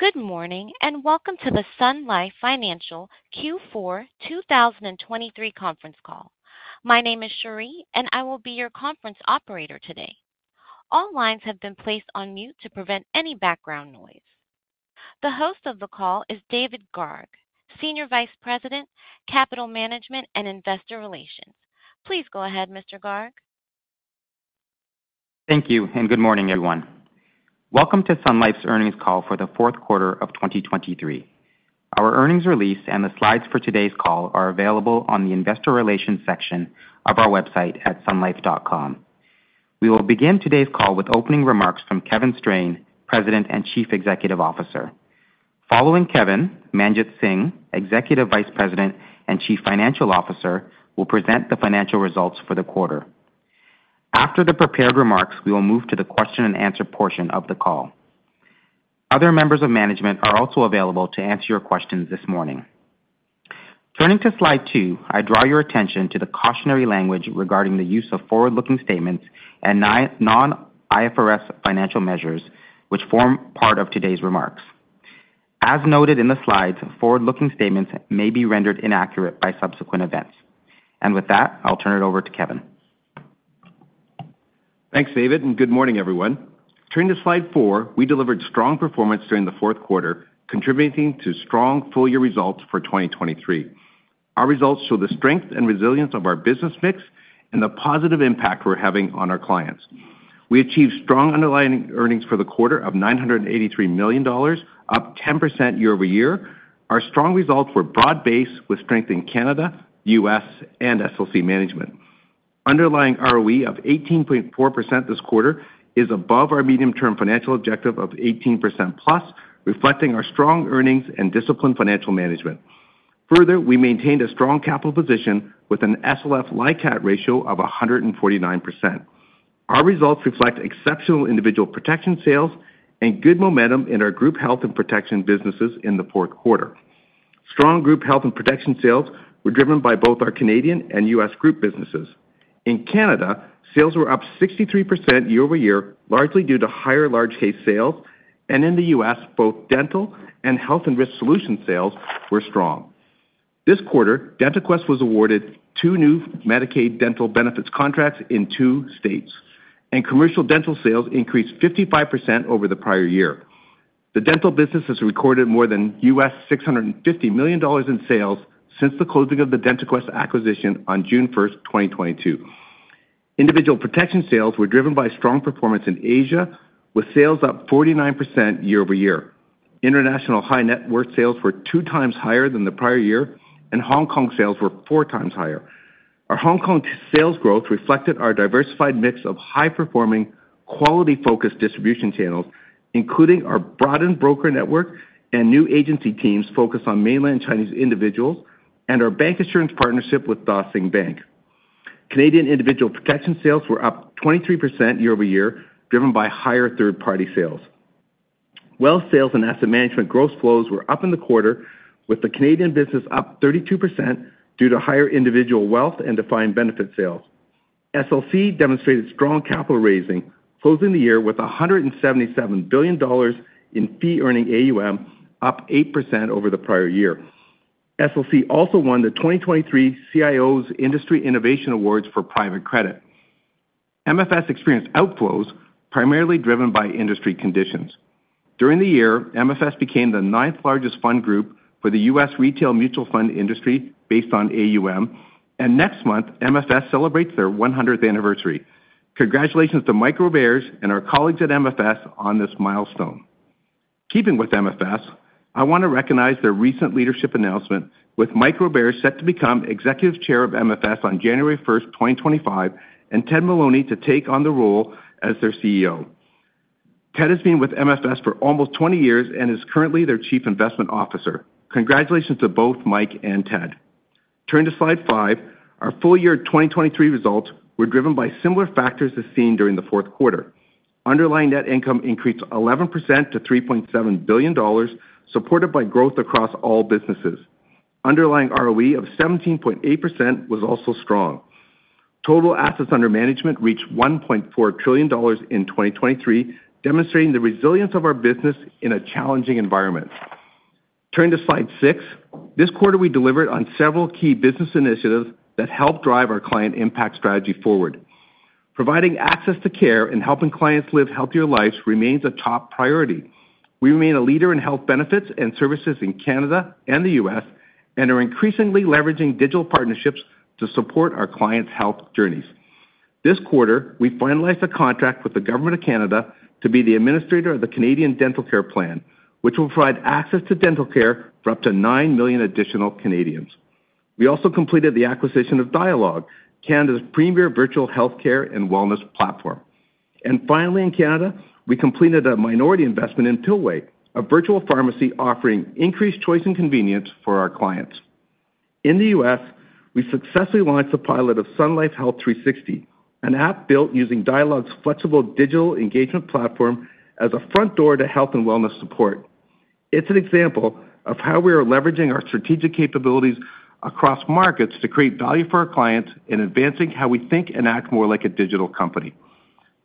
Good morning, and welcome to the Sun Life Financial Q4 2023 conference call. My name is Cherie, and I will be your conference operator today. All lines have been placed on mute to prevent any background noise. The host of the call is David Garg, Senior Vice President, Corporate Development and Investor Relations. Please go ahead, Mr. Garg. Thank you, and good morning, everyone. Welcome to Sun Life's earnings call for the Q4 of 2023. Our earnings release and the slides for today's call are available on the Investor Relations section of our website at sunlife.com. We will begin today's call with opening remarks from Kevin Strain, President and Chief Executive Officer. Following Kevin, Manjit Singh, Executive Vice President and Chief Financial Officer, will present the financial results for the quarter. After the prepared remarks, we will move to the question and answer portion of the call. Other members of management are also available to answer your questions this morning. Turning to Slide 2, I draw your attention to the cautionary language regarding the use of forward-looking statements and non-IFRS financial measures, which form part of today's remarks. As noted in the slides, forward-looking statements may be rendered inaccurate by subsequent events. With that, I'll turn it over to Kevin. Thanks, David, and good morning, everyone. Turning to Slide 4, we delivered strong performance during the fourth quarter, contributing to strong full year results for 2023. Our results show the strength and resilience of our business mix and the positive impact we're having on our clients. We achieved strong underlying earnings for the quarter of 983 million dollars, up 10% year-over-year. Our strong results were broad-based, with strength in Canada, U.S., and SLC Management. Underlying ROE of 18.4% this quarter is above our medium-term financial objective of 18%+, reflecting our strong earnings and disciplined financial management. Further, we maintained a strong capital position with an SLF LICAT ratio of 149%. Our results reflect exceptional individual protection sales and good momentum in our group health and protection businesses in the fourth quarter. Strong group health and protection sales were driven by both our Canadian and U.S. group businesses. In Canada, sales were up 63% year-over-year, largely due to higher large case sales, and in the U.S., both dental and Health and Risk Solutions sales were strong. This quarter, DentaQuest was awarded two new Medicaid dental benefits contracts in two states, and commercial dental sales increased 55% over the prior year. The dental business has recorded more than $650 million in sales since the closing of the DentaQuest acquisition on June 1, 2022. Individual protection sales were driven by strong performance in Asia, with sales up 49% year-over-year. International high net worth sales were two times higher than the prior year, and Hong Kong sales were four times higher. Our Hong Kong sales growth reflected our diversified mix of high-performing, quality-focused distribution channels, including our broadened broker network and new agency teams focused on mainland Chinese individuals and our bank insurance partnership with Dah Sing Bank. Canadian individual protection sales were up 23% year-over-year, driven by higher third-party sales. Wealth sales and asset management gross flows were up in the quarter, with the Canadian business up 32% due to higher individual wealth and defined benefit sales. SLC demonstrated strong capital raising, closing the year with $177 billion in fee-earning AUM, up 8% over the prior year. SLC also won the 2023 CIO's Industry Innovation Awards for private credit. MFS experienced outflows primarily driven by industry conditions. During the year, MFS became the ninth largest fund group for the U.S. retail mutual fund industry based on AUM, and next month, MFS celebrates their 100th anniversary. Congratulations to Mike Roberge and our colleagues at MFS on this milestone. Keeping with MFS, I want to recognize their recent leadership announcement, with Mike Roberge set to become Executive Chair of MFS on January 1, 2025, and Ted Maloney to take on the role as their CEO. Ted has been with MFS for almost 20 years and is currently their Chief Investment Officer. Congratulations to both Mike and Ted. Turning to Slide 5, our full year 2023 results were driven by similar factors as seen during the fourth quarter. Underlying net income increased 11% to 3.7 billion dollars, supported by growth across all businesses. Underlying ROE of 17.8% was also strong. Total assets under management reached 1.4 trillion dollars in 2023, demonstrating the resilience of our business in a challenging environment. Turning to Slide 6, this quarter, we delivered on several key business initiatives that helped drive our client impact strategy forward. Providing access to care and helping clients live healthier lives remains a top priority. We remain a leader in health benefits and services in Canada and the U.S. and are increasingly leveraging digital partnerships to support our clients' health journeys. This quarter, we finalized a contract with the Government of Canada to be the administrator of the Canadian Dental Care Plan, which will provide access to dental care for up to 9 million additional Canadians. We also completed the acquisition of Dialogue, Canada's premier virtual healthcare and wellness platform. And finally, in Canada, we completed a minority investment in Pillway, a virtual pharmacy offering increased choice and convenience for our clients. In the U.S., we successfully launched a pilot of Sun Life Health 360, an app built using Dialogue's flexible digital engagement platform as a front door to health and wellness support. It's an example of how we are leveraging our strategic capabilities across markets to create value for our clients in advancing how we think and act more like a digital company.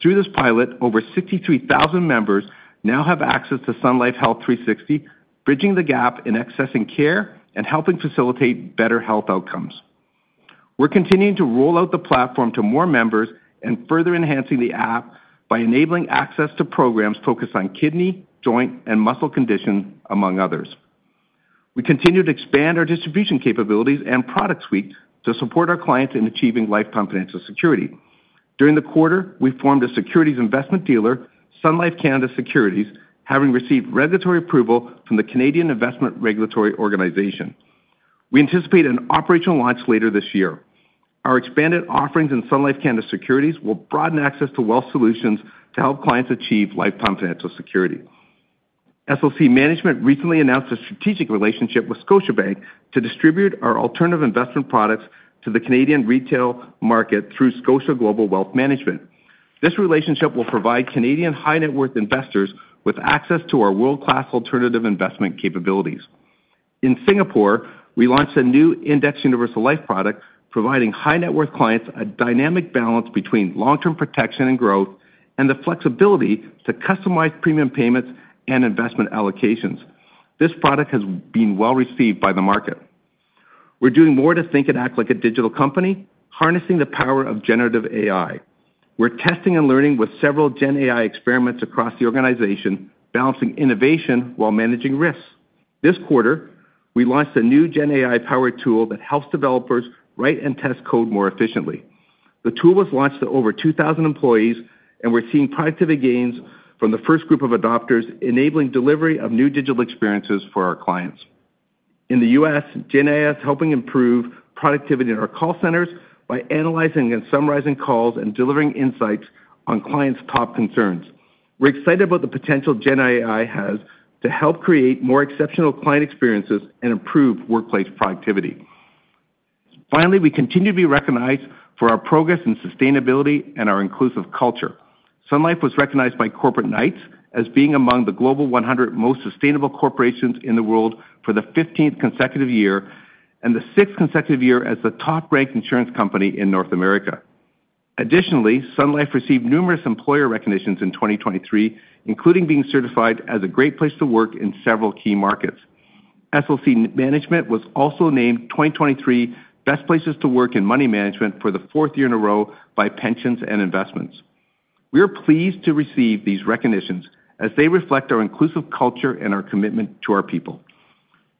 Through this pilot, over 63,000 members now have access to Sun Life Health 360, bridging the gap in accessing care and helping facilitate better health outcomes. We're continuing to roll out the platform to more members and further enhancing the app by enabling access to programs focused on kidney, joint, and muscle conditions, among others. We continue to expand our distribution capabilities and product suite to support our clients in achieving lifelong financial security. During the quarter, we formed a securities investment dealer, Sun Life Canada Securities, having received regulatory approval from the Canadian Investment Regulatory Organization. We anticipate an operational launch later this year. Our expanded offerings in Sun Life Canada Securities will broaden access to wealth solutions to help clients achieve lifelong financial security. SLC Management recently announced a strategic relationship with Scotiabank to distribute our alternative investment products to the Canadian retail market through Scotia Global Wealth Management. This relationship will provide Canadian high-net-worth investors with access to our world-class alternative investment capabilities. In Singapore, we launched a new Index Universal Life product, providing high-net-worth clients a dynamic balance between long-term protection and growth and the flexibility to customize premium payments and investment allocations. This product has been well received by the market. We're doing more to think and act like a digital company, harnessing the power of generative AI. We're testing and learning with several Gen AI experiments across the organization, balancing innovation while managing risks. This quarter, we launched a new Gen AI-powered tool that helps developers write and test code more efficiently. The tool was launched to over 2,000 employees, and we're seeing productivity gains from the first group of adopters, enabling delivery of new digital experiences for our clients. In the U.S., Gen AI is helping improve productivity in our call centers by analyzing and summarizing calls and delivering insights on clients' top concerns. We're excited about the potential Gen AI has to help create more exceptional client experiences and improve workplace productivity. Finally, we continue to be recognized for our progress in sustainability and our inclusive culture. Sun Life was recognized by Corporate Knights as being among the Global 100 most sustainable corporations in the world for the fifteenth consecutive year and the sixth consecutive year as the top-ranked insurance company in North America. Additionally, Sun Life received numerous employer recognitions in 2023, including being certified as a great place to work in several key markets. SLC Management was also named 2023 Best Places to Work in Money Management for the fourth year in a row by Pensions and Investments. We are pleased to receive these recognitions as they reflect our inclusive culture and our commitment to our people.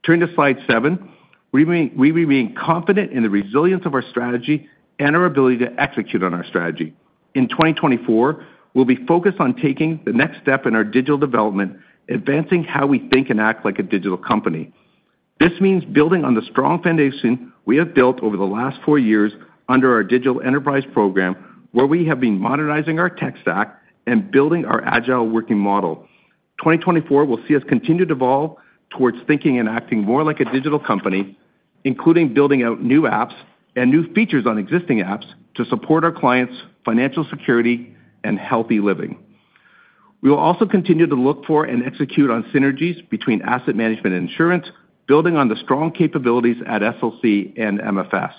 Turning to Slide 7, we remain confident in the resilience of our strategy and our ability to execute on our strategy. In 2024, we'll be focused on taking the next step in our digital development, advancing how we think and act like a digital company. This means building on the strong foundation we have built over the last four years under our digital enterprise program, where we have been modernizing our tech stack and building our agile working model. 2024 will see us continue to evolve towards thinking and acting more like a digital company, including building out new apps and new features on existing apps to support our clients' financial security and healthy living. We will also continue to look for and execute on synergies between asset management and insurance, building on the strong capabilities at SLC and MFS.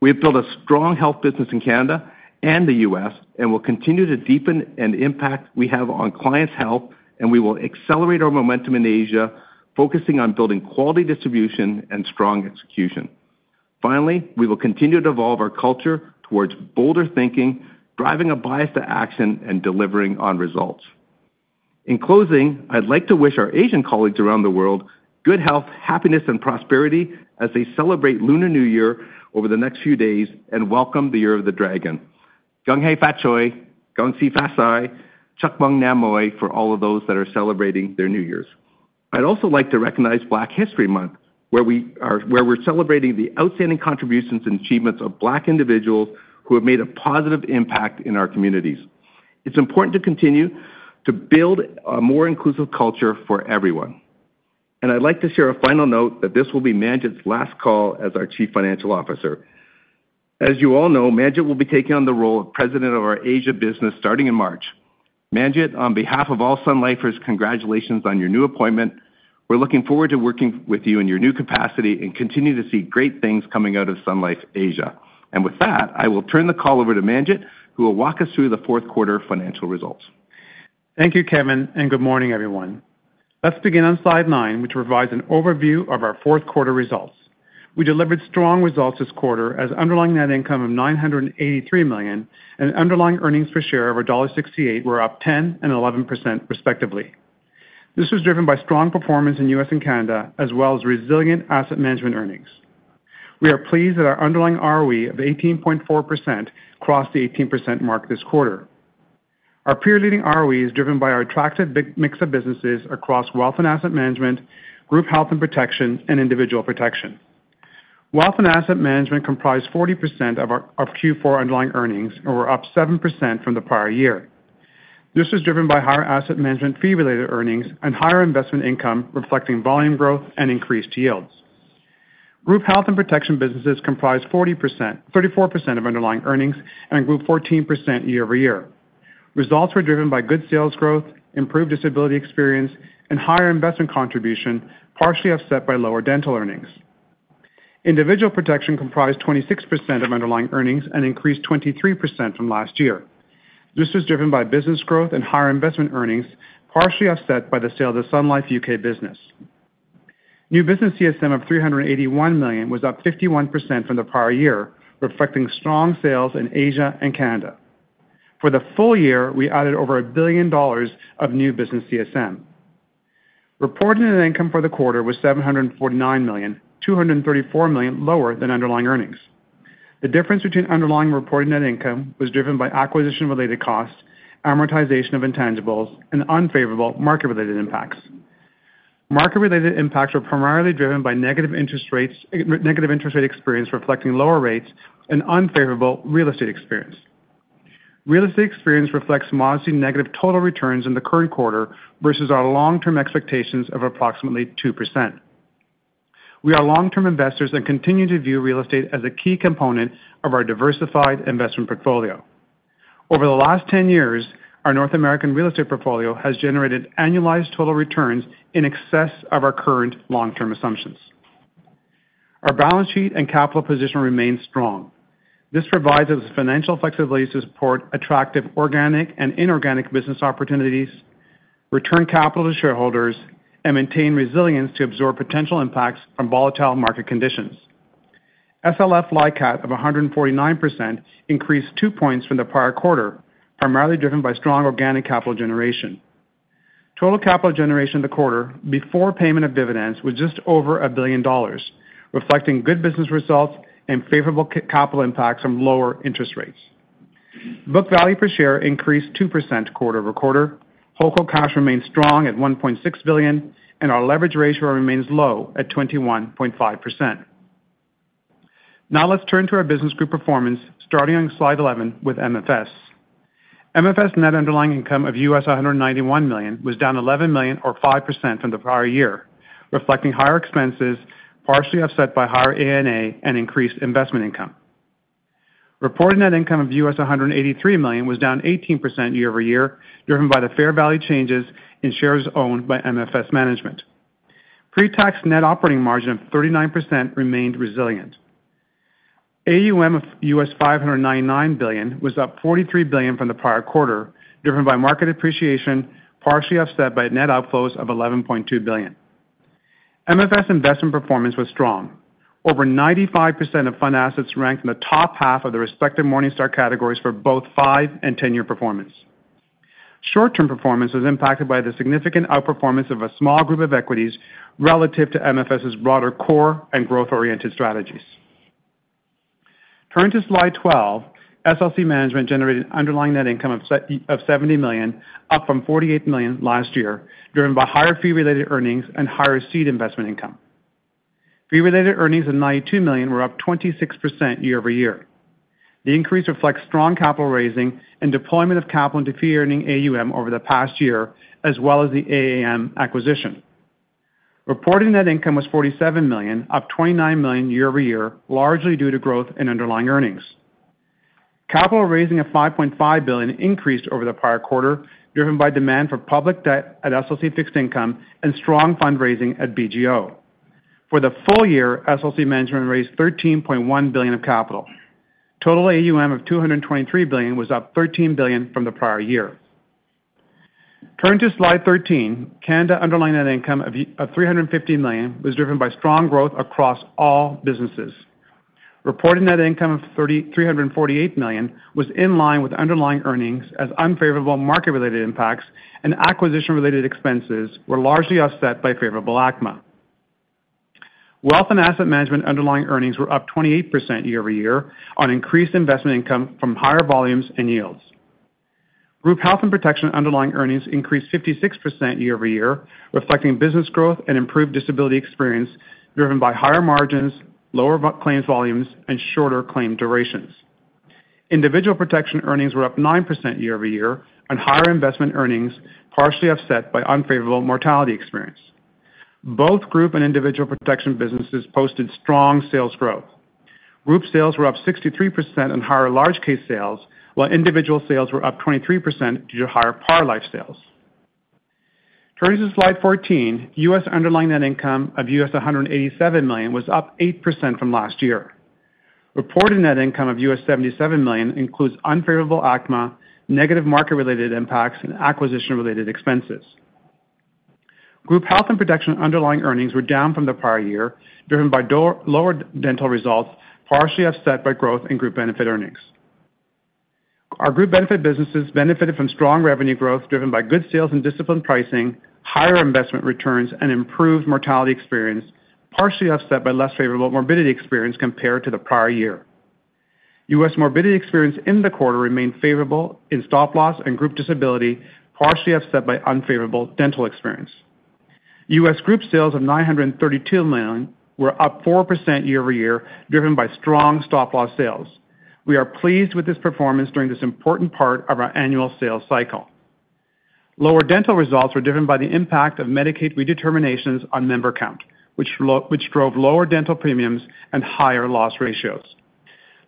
We have built a strong health business in Canada and the U.S., and we'll continue to deepen and impact we have on clients' health, and we will accelerate our momentum in Asia, focusing on building quality distribution and strong execution. Finally, we will continue to evolve our culture towards bolder thinking, driving a bias to action, and delivering on results. In closing, I'd like to wish our Asian colleagues around the world good health, happiness, and prosperity as they celebrate Lunar New Year over the next few days and welcome the Year of the Dragon. Gong hei fat choy, gong xi fa cai, chuc mung nam moi for all of those that are celebrating their New Years. I'd also like to recognize Black History Month, where we're celebrating the outstanding contributions and achievements of Black individuals who have made a positive impact in our communities. It's important to continue to build a more inclusive culture for everyone. I'd like to share a final note that this will be Manjit's last call as our Chief Financial Officer. As you all know, Manjit will be taking on the role of president of our Asia business starting in March. Manjit, on behalf of all Sunlifers, congratulations on your new appointment. We're looking forward to working with you in your new capacity and continue to see great things coming out of Sun Life Asia. And with that, I will turn the call over to Manjit, who will walk us through the fourth quarter financial results. Thank you, Kevin, and good morning, everyone. Let's begin on Slide 9, which provides an overview of our Q4 results. We delivered strong results this quarter, as underlying net income of 983 million and underlying earnings per share of dollar 1.68 were up 10% and 11%, respectively. This was driven by strong performance in U.S. and Canada, as well as resilient asset management earnings. We are pleased that our underlying ROE of 18.4% crossed the 18% mark this quarter. Our peer-leading ROE is driven by our attractive business mix of businesses across wealth and asset management, group health and protection, and individual protection. Wealth and asset management comprise 40% of our Q4 underlying earnings and were up 7% from the prior year. This was driven by higher asset management fee-related earnings and higher investment income, reflecting volume growth and increased yields. Group Health and Protection businesses comprise 40%--34% of underlying earnings and grew 14% year-over-year. Results were driven by good sales growth, improved disability experience, and higher investment contribution, partially offset by lower dental earnings. Individual protection comprised 26% of underlying earnings and increased 23% from last year. This was driven by business growth and higher investment earnings, partially offset by the sale of the Sun Life U.K. business. New business CSM of 381 million was up 51% from the prior year, reflecting strong sales in Asia and Canada. For the full year, we added over 1 billion dollars of new business CSM. Reported net income for the quarter was 749 million, 234 million lower than underlying earnings. The difference between underlying reported net income was driven by acquisition-related costs, amortization of intangibles, and unfavorable market-related impacts. Market-related impacts were primarily driven by negative interest rates, negative interest rate experience reflecting lower rates and unfavorable real estate experience. Real estate experience reflects modestly negative total returns in the current quarter versus our long-term expectations of approximately 2%. We are long-term investors and continue to view real estate as a key component of our diversified investment portfolio. Over the last 10 years, our North American real estate portfolio has generated annualized total returns in excess of our current long-term assumptions. Our balance sheet and capital position remain strong. This provides us financial flexibility to support attractive organic and inorganic business opportunities, return capital to shareholders, and maintain resilience to absorb potential impacts from volatile market conditions. SLF LICAT of 149% increased 2 points from the prior quarter, primarily driven by strong organic capital generation. Total capital generation in the quarter before payment of dividends was just over 1 billion dollars, reflecting good business results and favorable capital impacts from lower interest rates. Book value per share increased 2% quarter-over-quarter. Holdco cash remains strong at 1.6 billion, and our leverage ratio remains low at 21.5%. Now, let's turn to our business group performance, starting on Slide 11 with MFS. MFS net underlying income of $191 million was down $11 million, or 5% from the prior year, reflecting higher expenses, partially offset by higher AUM and increased investment income. Reported net income of $183 million was down 18% year-over-year, driven by the fair value changes in shares owned by MFS Management. Pre-tax net operating margin of 39% remained resilient. AUM of $599 billion was up $43 billion from the prior quarter, driven by market appreciation, partially offset by net outflows of $11.2 billion. MFS investment performance was strong. Over 95% of fund assets ranked in the top half of the respective Morningstar categories for both 5- and 10-year performance. Short-term performance was impacted by the significant outperformance of a small group of equities relative to MFS' broader core and growth-oriented strategies. Turning to Slide 12, SLC Management generated underlying net income of $70 million, up from $48 million last year, driven by higher fee-related earnings and higher seed investment income. Fee-related earnings of $92 million were up 26% year-over-year. The increase reflects strong capital raising and deployment of capital into fee earning AUM over the past year, as well as the AAM acquisition. Reported net income was $47 million, up $29 million year-over-year, largely due to growth in underlying earnings. Capital raising of $5.5 billion increased over the prior quarter, driven by demand for public debt at SLC Fixed Income and strong fundraising at BGO. For the full year, SLC Management raised $13.1 billion of capital. Total AUM of 223 billion was up 13 billion from the prior year. Turning to Slide 13, Canada underlying net income of 350 million was driven by strong growth across all businesses. Reported net income of 348 million was in line with underlying earnings, as unfavorable market-related impacts and acquisition-related expenses were largely offset by favorable ACMA. Wealth and asset management underlying earnings were up 28% year-over-year on increased investment income from higher volumes and yields. Group Health and Protection underlying earnings increased 56% year-over-year, reflecting business growth and improved disability experience, driven by higher margins, lower claims volumes, and shorter claim durations. Individual protection earnings were up 9% year-over-year on higher investment earnings, partially offset by unfavorable mortality experience. Both group and individual protection businesses posted strong sales growth. Group sales were up 63% on higher large case sales, while individual sales were up 23% due to higher par life sales. Turning to Slide 14, U.S. underlying net income of $187 million was up 8% from last year. Reported net income of $77 million includes unfavorable ACMA, negative market-related impacts, and acquisition-related expenses. Group Health and Protection underlying earnings were down from the prior year, driven by lower dental results, partially offset by growth in group benefit earnings. Our group benefit businesses benefited from strong revenue growth, driven by good sales and disciplined pricing, higher investment returns, and improved mortality experience, partially offset by less favorable morbidity experience compared to the prior year. U.S. morbidity experience in the quarter remained favorable in stop-loss and group disability, partially offset by unfavorable dental experience. U.S. Group sales of $932 million were up 4% year-over-year, driven by strong stop-loss sales. We are pleased with this performance during this important part of our annual sales cycle. Lower dental results were driven by the impact of Medicaid redeterminations on member count, which drove lower dental premiums and higher loss ratios.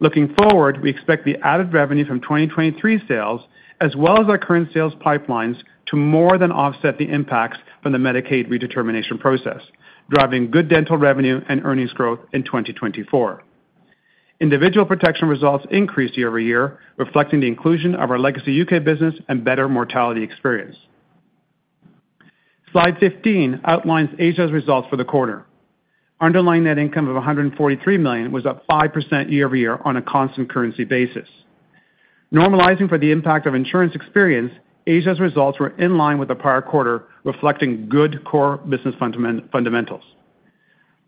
Looking forward, we expect the added revenue from 2023 sales, as well as our current sales pipelines, to more than offset the impacts from the Medicaid redetermination process, driving good dental revenue and earnings growth in 2024. Individual protection results increased year-over-year, reflecting the inclusion of our legacy U.K. business and better mortality experience. Slide 15 outlines Asia's results for the quarter. Underlying net income of 143 million was up 5% year-over-year on a constant currency basis. Normalizing for the impact of insurance experience, Asia's results were in line with the prior quarter, reflecting good core business fundamentals.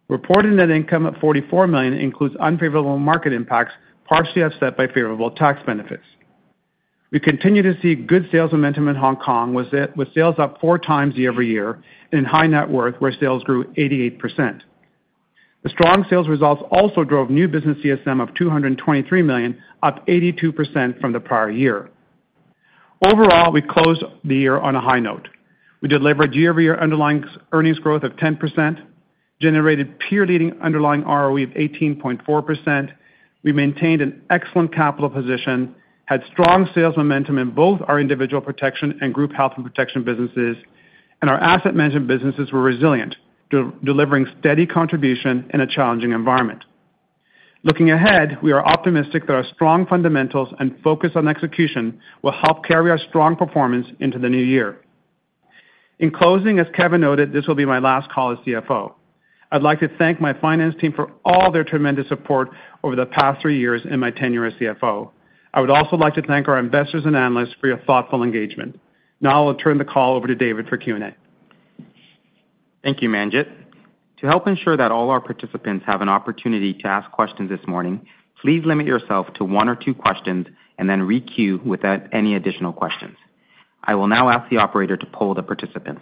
Reported net income of CAD 44 million includes unfavorable market impacts, partially offset by favorable tax benefits. We continue to see good sales momentum in Hong Kong, with sales up four times year-over-year, in high net worth, where sales grew 88%. The strong sales results also drove new business CSM of 223 million, up 82% from the prior year. Overall, we closed the year on a high note. We delivered year-over-year underlying earnings growth of 10%, generated peer-leading underlying ROE of 18.4%. We maintained an excellent capital position, had strong sales momentum in both our individual protection and group health and protection businesses, and our asset management businesses were resilient, delivering steady contribution in a challenging environment. Looking ahead, we are optimistic that our strong fundamentals and focus on execution will help carry our strong performance into the new year. In closing, as Kevin noted, this will be my last call as CFO. I'd like to thank my finance team for all their tremendous support over the past three years in my tenure as CFO. I would also like to thank our investors and analysts for your thoughtful engagement. Now I'll turn the call over to David for Q&A. Thank you, Manjit. To help ensure that all our participants have an opportunity to ask questions this morning, please limit yourself to one or two questions and then re queue without any additional questions. I will now ask the operator to poll the participants.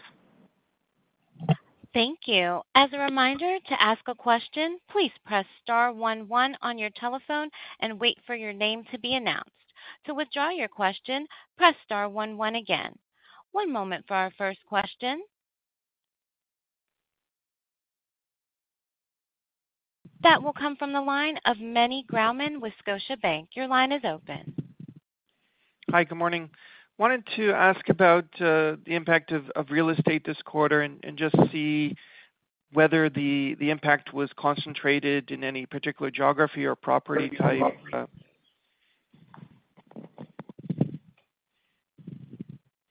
Thank you. As a reminder, to ask a question, please press star one one on your telephone and wait for your name to be announced. To withdraw your question, press star one one again. One moment for our first question. That will come from the line of Meny Grauman with Scotiabank. Your line is open. Hi, good morning. Wanted to ask about the impact of real estate this quarter and just see whether the impact was concentrated in any particular geography or property type?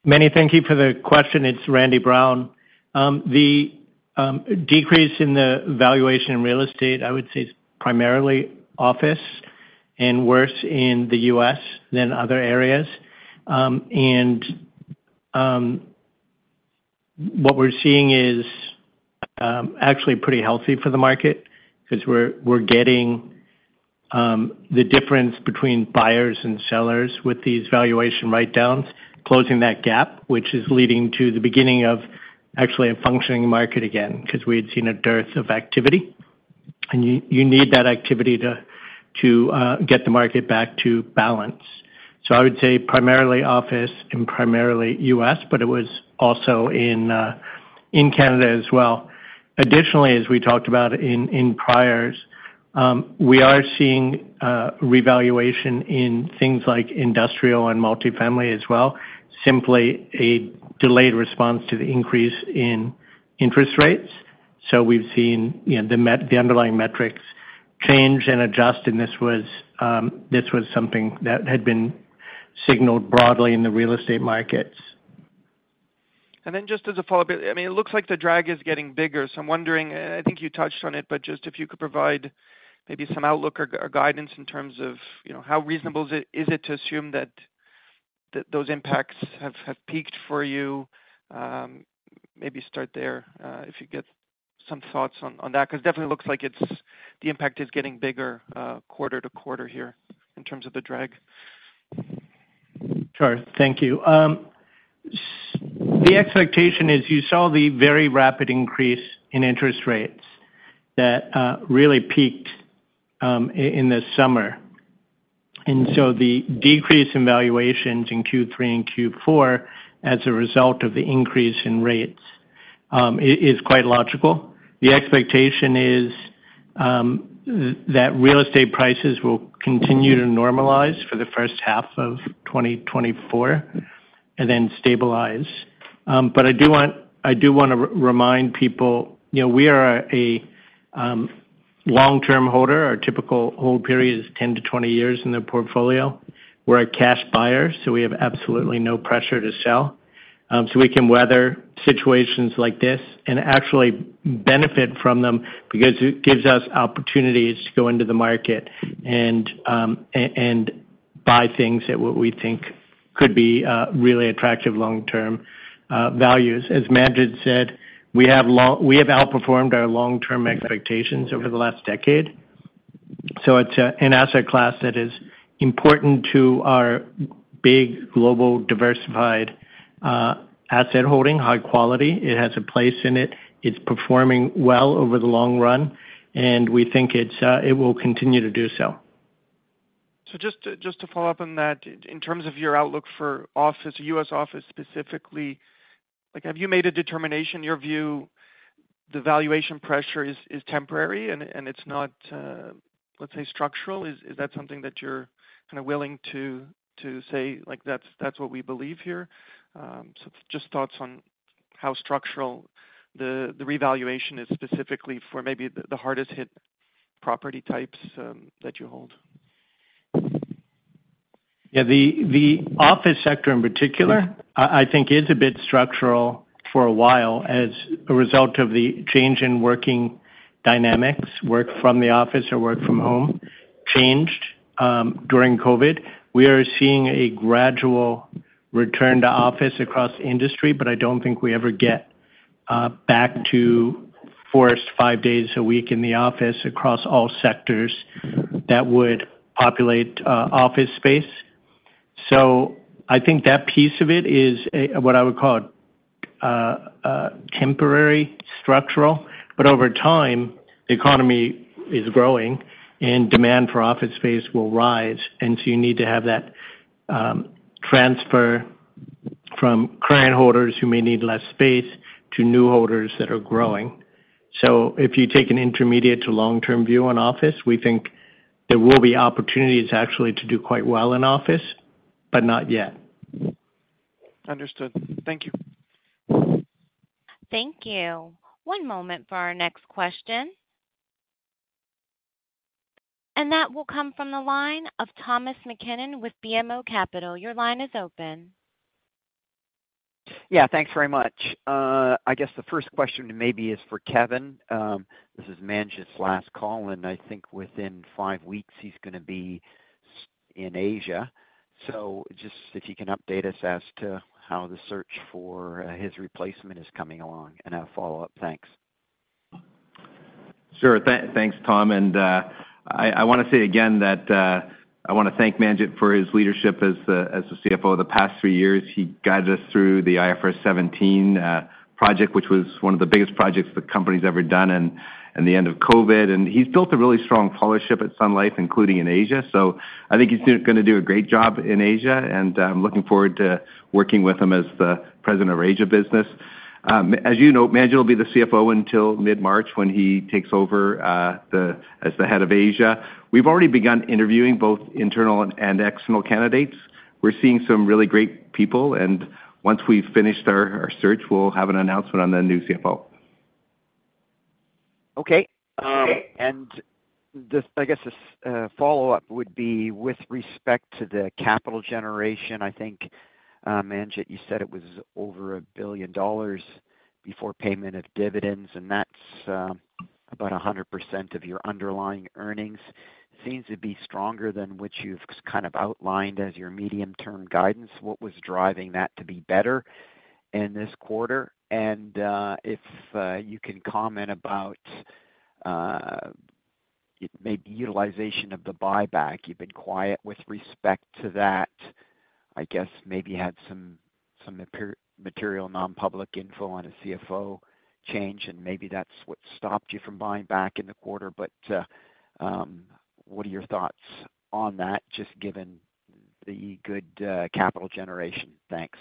Meny, thank you for the question. It's Randy Brown. The decrease in the valuation in real estate, I would say, is primarily office and worse in the U.S. than other areas. And what we're seeing is actually pretty healthy for the market because we're getting the difference between buyers and sellers with these valuation write-downs, closing that gap, which is leading to the beginning of actually a functioning market again, because we had seen a dearth of activity, and you need that activity to get the market back to balance. So I would say primarily office and primarily U.S., but it was also in Canada as well. Additionally, as we talked about in priors, we are seeing revaluation in things like industrial and multifamily as well, simply a delayed response to the increase in interest rates. So we've seen, you know, the underlying metrics change and adjust, and this was something that had been signaled broadly in the real estate markets. And then just as a follow-up, I mean, it looks like the drag is getting bigger, so I'm wondering, I think you touched on it, but just if you could provide maybe some outlook or guidance in terms of, you know, how reasonable is it to assume that those impacts have peaked for you? Maybe start there, if you get some thoughts on that, because it definitely looks like it's the impact is getting bigger quarter-to-quarter here in terms of the drag. Sure. Thank you. The expectation is you saw the very rapid increase in interest rates that really peaked in the summer. And so the decrease in valuations in Q3 and Q4 as a result of the increase in rates is quite logical. The expectation is that real estate prices will continue to normalize for the H1 of 2024 and then stabilize. But I do want to remind people, you know, we are a long-term holder. Our typical hold period is 10-20 years in the portfolio. We're a cash buyer, so we have absolutely no pressure to sell. So we can weather situations like this and actually benefit from them because it gives us opportunities to go into the market and and buy things at what we think could be really attractive long-term values. As Manjit said, we have outperformed our long-term expectations over the last decade, so it's an asset class that is important to our big, global, diversified asset holding, high quality. It has a place in it. It's performing well over the long run, and we think it will continue to do so. So just to follow up on that, in terms of your outlook for office, U.S. office specifically, like, have you made a determination, your view?... the valuation pressure is temporary and it's not, let's say structural. Is that something that you're kind of willing to say, like, that's what we believe here? So just thoughts on how structural the revaluation is specifically for maybe the hardest hit property types that you hold. Yeah, the office sector in particular, I think is a bit structural for a while as a result of the change in working dynamics, work from the office or work from home changed during COVID. We are seeing a gradual return to office across industry, but I don't think we ever get back to forced five days a week in the office across all sectors that would populate office space. So I think that piece of it is a what I would call it a temporary structural, but over time, the economy is growing and demand for office space will rise, and so you need to have that transfer from current holders who may need less space to new holders that are growing. If you take an intermediate to long-term view on office, we think there will be opportunities actually to do quite well in office, but not yet. Understood. Thank you. Thank you. One moment for our next question. That will come from the line of Thomas MacKinnon with BMO Capital. Your line is open. Yeah, thanks very much. I guess the first question maybe is for Kevin. This is Manjit's last call, and I think within five weeks, he's gonna be in Asia. So just if you can update us as to how the search for his replacement is coming along, and I'll follow up. Thanks. Sure. Thanks, Tom. I wanna say again that I wanna thank Manjit for his leadership as the CFO of the past three years. He guided us through the IFRS 17 project, which was one of the biggest projects the company's ever done and the end of COVID, and he's built a really strong fellowship at Sun Life, including in Asia. I think he's gonna do a great job in Asia, and I'm looking forward to working with him as the President of Asia Business. As you know, Manjit will be the CFO until mid-March, when he takes over as the head of Asia. We've already begun interviewing both internal and external candidates. We're seeing some really great people, and once we've finished our search, we'll have an announcement on the new CFO. Okay. And just I guess a follow-up would be with respect to the capital generation. I think, Manjit, you said it was over 1 billion dollars before payment of dividends, and that's about 100% of your underlying earnings. Seems to be stronger than what you've kind of outlined as your medium-term guidance. What was driving that to be better in this quarter? And if you can comment about maybe utilization of the buyback, you've been quiet with respect to that. I guess maybe you had some immaterial, non-public info on a CFO change, and maybe that's what stopped you from buying back in the quarter. But what are your thoughts on that, just given the good capital generation? Thanks.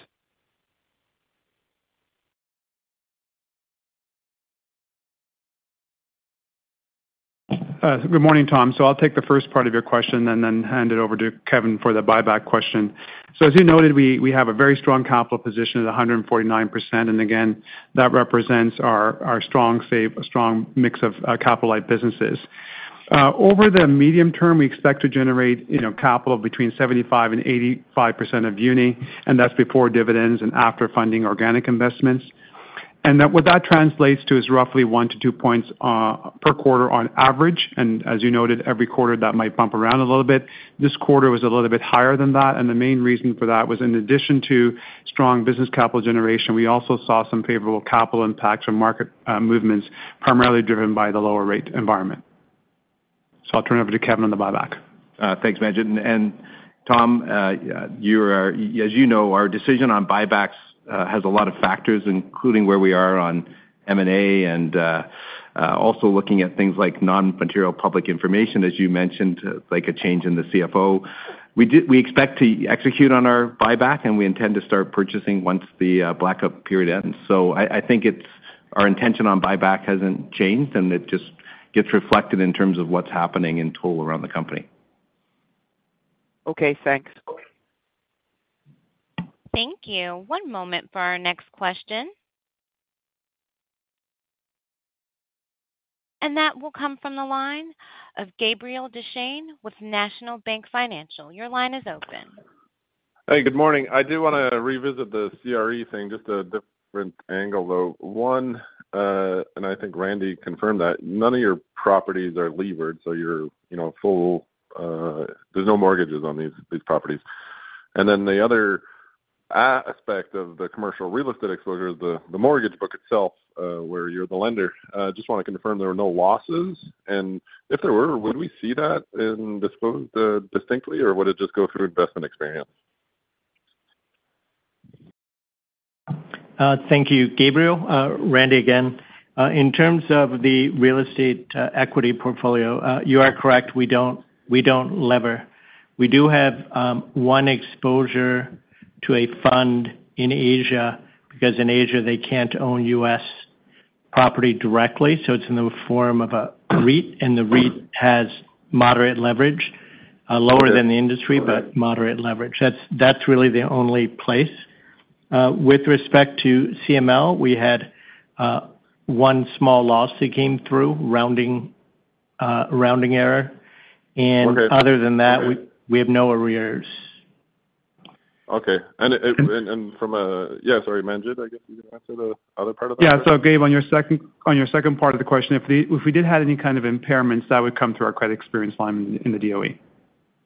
Good morning, Tom. So I'll take the first part of your question and then hand it over to Kevin for the buyback question. So as you noted, we, we have a very strong capital position at 149%, and again, that represents our, our strong safe, a strong mix of capital-light businesses. Over the medium term, we expect to generate, you know, capital between 75%-85% of UNI, and that's before dividends and after funding organic investments. And that, what that translates to is roughly 1-2 points per quarter on average, and as you noted, every quarter, that might bump around a little bit. This quarter was a little bit higher than that, and the main reason for that was in addition to strong business capital generation, we also saw some favorable capital impacts from market movements, primarily driven by the lower rate environment. I'll turn it over to Kevin on the buyback. Thanks, Manjit. And, Tom, you're, as you know, our decision on buybacks has a lot of factors, including where we are on M&A and, also looking at things like non-material public information, as you mentioned, like a change in the CFO. We expect to execute on our buyback, and we intend to start purchasing once the blackout period ends. So I think it's our intention on buyback hasn't changed, and it just gets reflected in terms of what's happening in total around the company. Okay, thanks. Thank you. One moment for our next question. That will come from the line of Gabriel Deschaine with National Bank Financial. Your line is open. Hey, good morning. I do wanna revisit the CRE thing, just a different angle, though. One, and I think Randy confirmed that none of your properties are levered, so you're, you know, full, there's no mortgages on these properties. And then the other aspect of the commercial real estate exposure is the mortgage book itself, where you're the lender. Just wanna confirm there are no losses, and if there were, would we see that in disclosed distinctly, or would it just go through investment experience? Thank you, Gabriel. Randy again. In terms of the real estate equity portfolio, you are correct, we don't, we don't lever-... We do have one exposure to a fund in Asia, because in Asia, they can't own U.S. property directly, so it's in the form of a REIT, and the REIT has moderate leverage, lower than the industry, but moderate leverage. That's really the only place. With respect to CML, we had one small loss that came through, rounding error. Okay. Other than that, we have no arrears. Okay. And from a-- yeah, sorry, Manjit, I guess you can answer the other part of that? Yeah. So Gabe, on your second part of the question, if we did have any kind of impairments, that would come through our credit experience line in the SOE.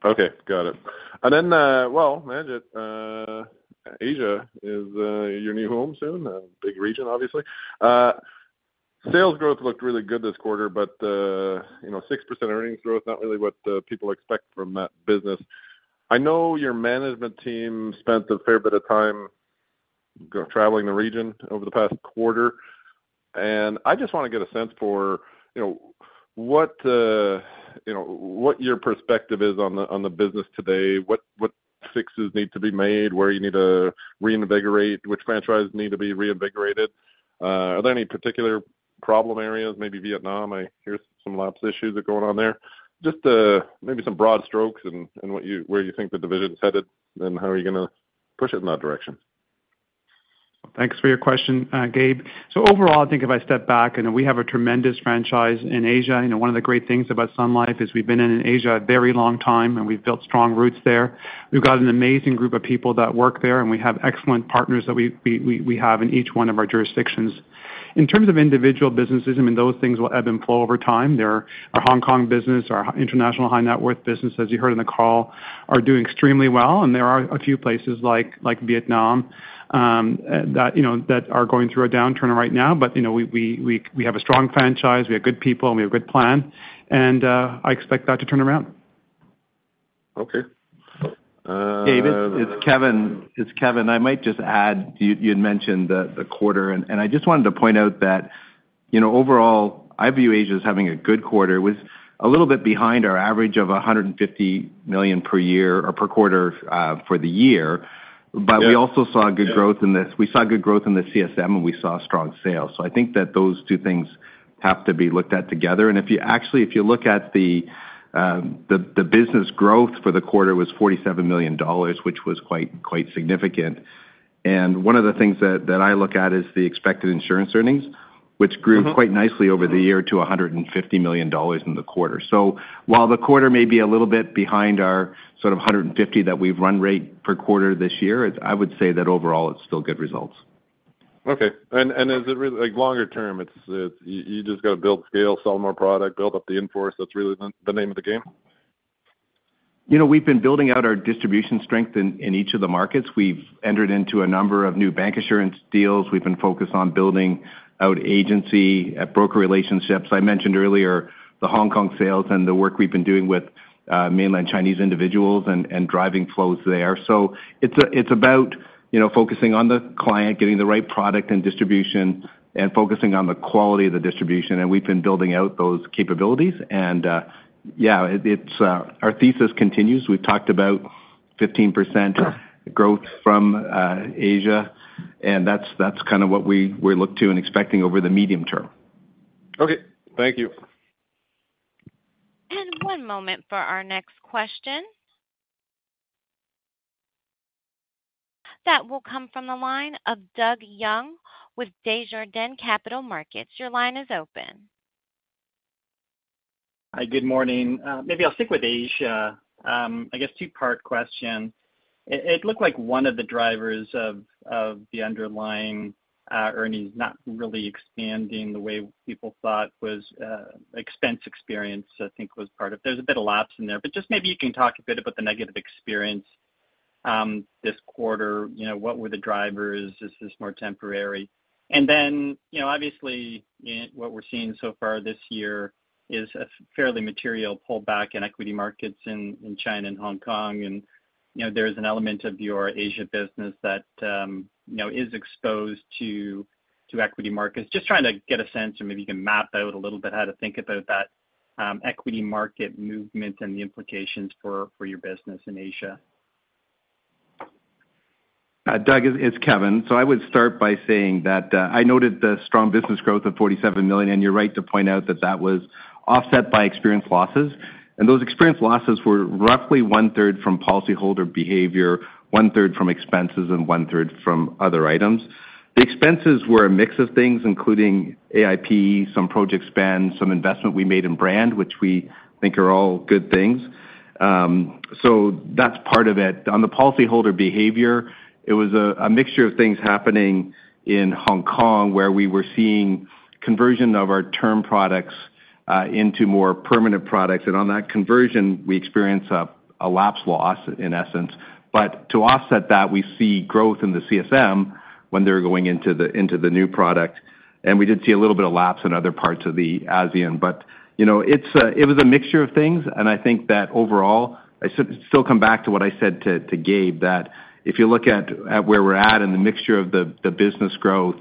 Okay, got it. And then, well, Manjit, Asia is your new home soon, a big region, obviously. Sales growth looked really good this quarter, but, you know, 6% earnings growth, not really what people expect from that business. I know your management team spent a fair bit of time traveling the region over the past quarter, and I just want to get a sense for, you know, what your perspective is on the business today, what fixes need to be made, where you need to reinvigorate, which franchises need to be reinvigorated? Are there any particular problem areas, maybe Vietnam? I hear some lapse issues are going on there. Just, maybe some broad strokes and where you think the division is headed, and how are you going to push it in that direction? Thanks for your question, Gabe. So overall, I think if I step back, and we have a tremendous franchise in Asia. You know, one of the great things about Sun Life is we've been in Asia a very long time, and we've built strong roots there. We've got an amazing group of people that work there, and we have excellent partners that we have in each one of our jurisdictions. In terms of individual businesses, I mean, those things will ebb and flow over time. There are our Hong Kong business, our international high net worth business, as you heard in the call, are doing extremely well, and there are a few places like Vietnam that you know that are going through a downturn right now. You know, we have a strong franchise, we have good people, and we have a good plan, and I expect that to turn around. Okay, uh- Gabe, it's Kevin. I might just add, you'd mentioned the quarter, and I just wanted to point out that, you know, overall, I view Asia as having a good quarter, was a little bit behind our average of 150 million per year or per quarter, for the year. Yeah. But we also saw good growth in this. We saw good growth in the CSM, and we saw strong sales. So I think that those two things have to be looked at together. And if you actually look at the business growth for the quarter was 47 million dollars, which was quite significant. And one of the things that I look at is the expected insurance earnings, which grew- Mm-hmm... quite nicely over the year to 150 million dollars in the quarter. So while the quarter may be a little bit behind our sort of 150 that we've run rate per quarter this year, it's, I would say that overall, it's still good results. Okay. And is it really, like, longer term, it's you just got to build scale, sell more product, build up the inforce. That's really the name of the game? You know, we've been building out our distribution strength in each of the markets. We've entered into a number of new bank insurance deals. We've been focused on building out agency, broker relationships. I mentioned earlier the Hong Kong sales and the work we've been doing with mainland Chinese individuals and driving flows there. So it's about, you know, focusing on the client, getting the right product and distribution, and focusing on the quality of the distribution, and we've been building out those capabilities. And, yeah, it's our thesis continues. We've talked about 15% growth from Asia, and that's kind of what we look to and expecting over the medium term. Okay, thank you. One moment for our next question. That will come from the line of Doug Young with Desjardins Capital Markets. Your line is open. Hi, good morning. Maybe I'll stick with Asia. I guess two-part question. It looked like one of the drivers of the underlying earnings not really expanding the way people thought was expense experience, I think, was part of it. There's a bit of lapse in there, but just maybe you can talk a bit about the negative experience this quarter. You know, what were the drivers? Is this more temporary? And then, you know, obviously what we're seeing so far this year is a fairly material pullback in equity markets in China and Hong Kong. And, you know, there's an element of your Asia business that you know is exposed to equity markets. Just trying to get a sense or maybe you can map out a little bit how to think about that, equity market movement and the implications for your business in Asia? Doug, it's Kevin. So I would start by saying that I noted the strong business growth of 47 million, and you're right to point out that that was offset by experience losses. And those experience losses were roughly one-third from policyholder behavior, one-third from expenses, and one-third from other items. The expenses were a mix of things, including AIP, some project spend, some investment we made in brand, which we think are all good things. So that's part of it. On the policyholder behavior, it was a mixture of things happening in Hong Kong, where we were seeing conversion of our term products into more permanent products. And on that conversion, we experienced a lapse loss, in essence. But to offset that, we see growth in the CSM when they're going into the new product. We did see a little bit of lapse in other parts of the ASEAN. But, you know, it's a - it was a mixture of things, and I think that overall, I still, still come back to what I said to, to Gabe, that if you look at, at where we're at in the mixture of the, the business growth,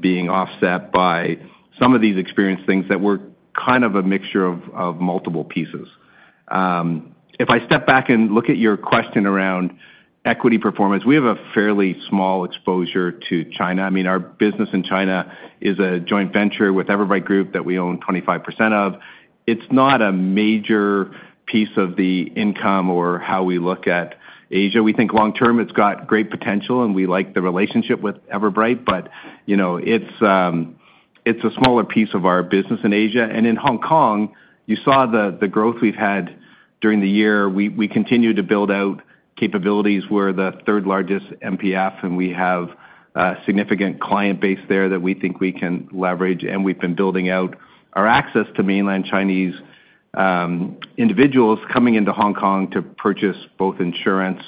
being offset by some of these experience things that were kind of a mixture of, of multiple pieces. If I step back and look at your question around equity performance, we have a fairly small exposure to China. I mean, our business in China is a joint venture with Everbright Group that we own 25% of. It's not a major piece of the income or how we look at Asia. We think long term, it's got great potential, and we like the relationship with Everbright, but, you know, it's a smaller piece of our business in Asia. And in Hong Kong, you saw the growth we've had during the year. We continue to build out capabilities. We're the third-largest MPF, and we have a significant client base there that we think we can leverage, and we've been building out our access to mainland Chinese individuals coming into Hong Kong to purchase both insurance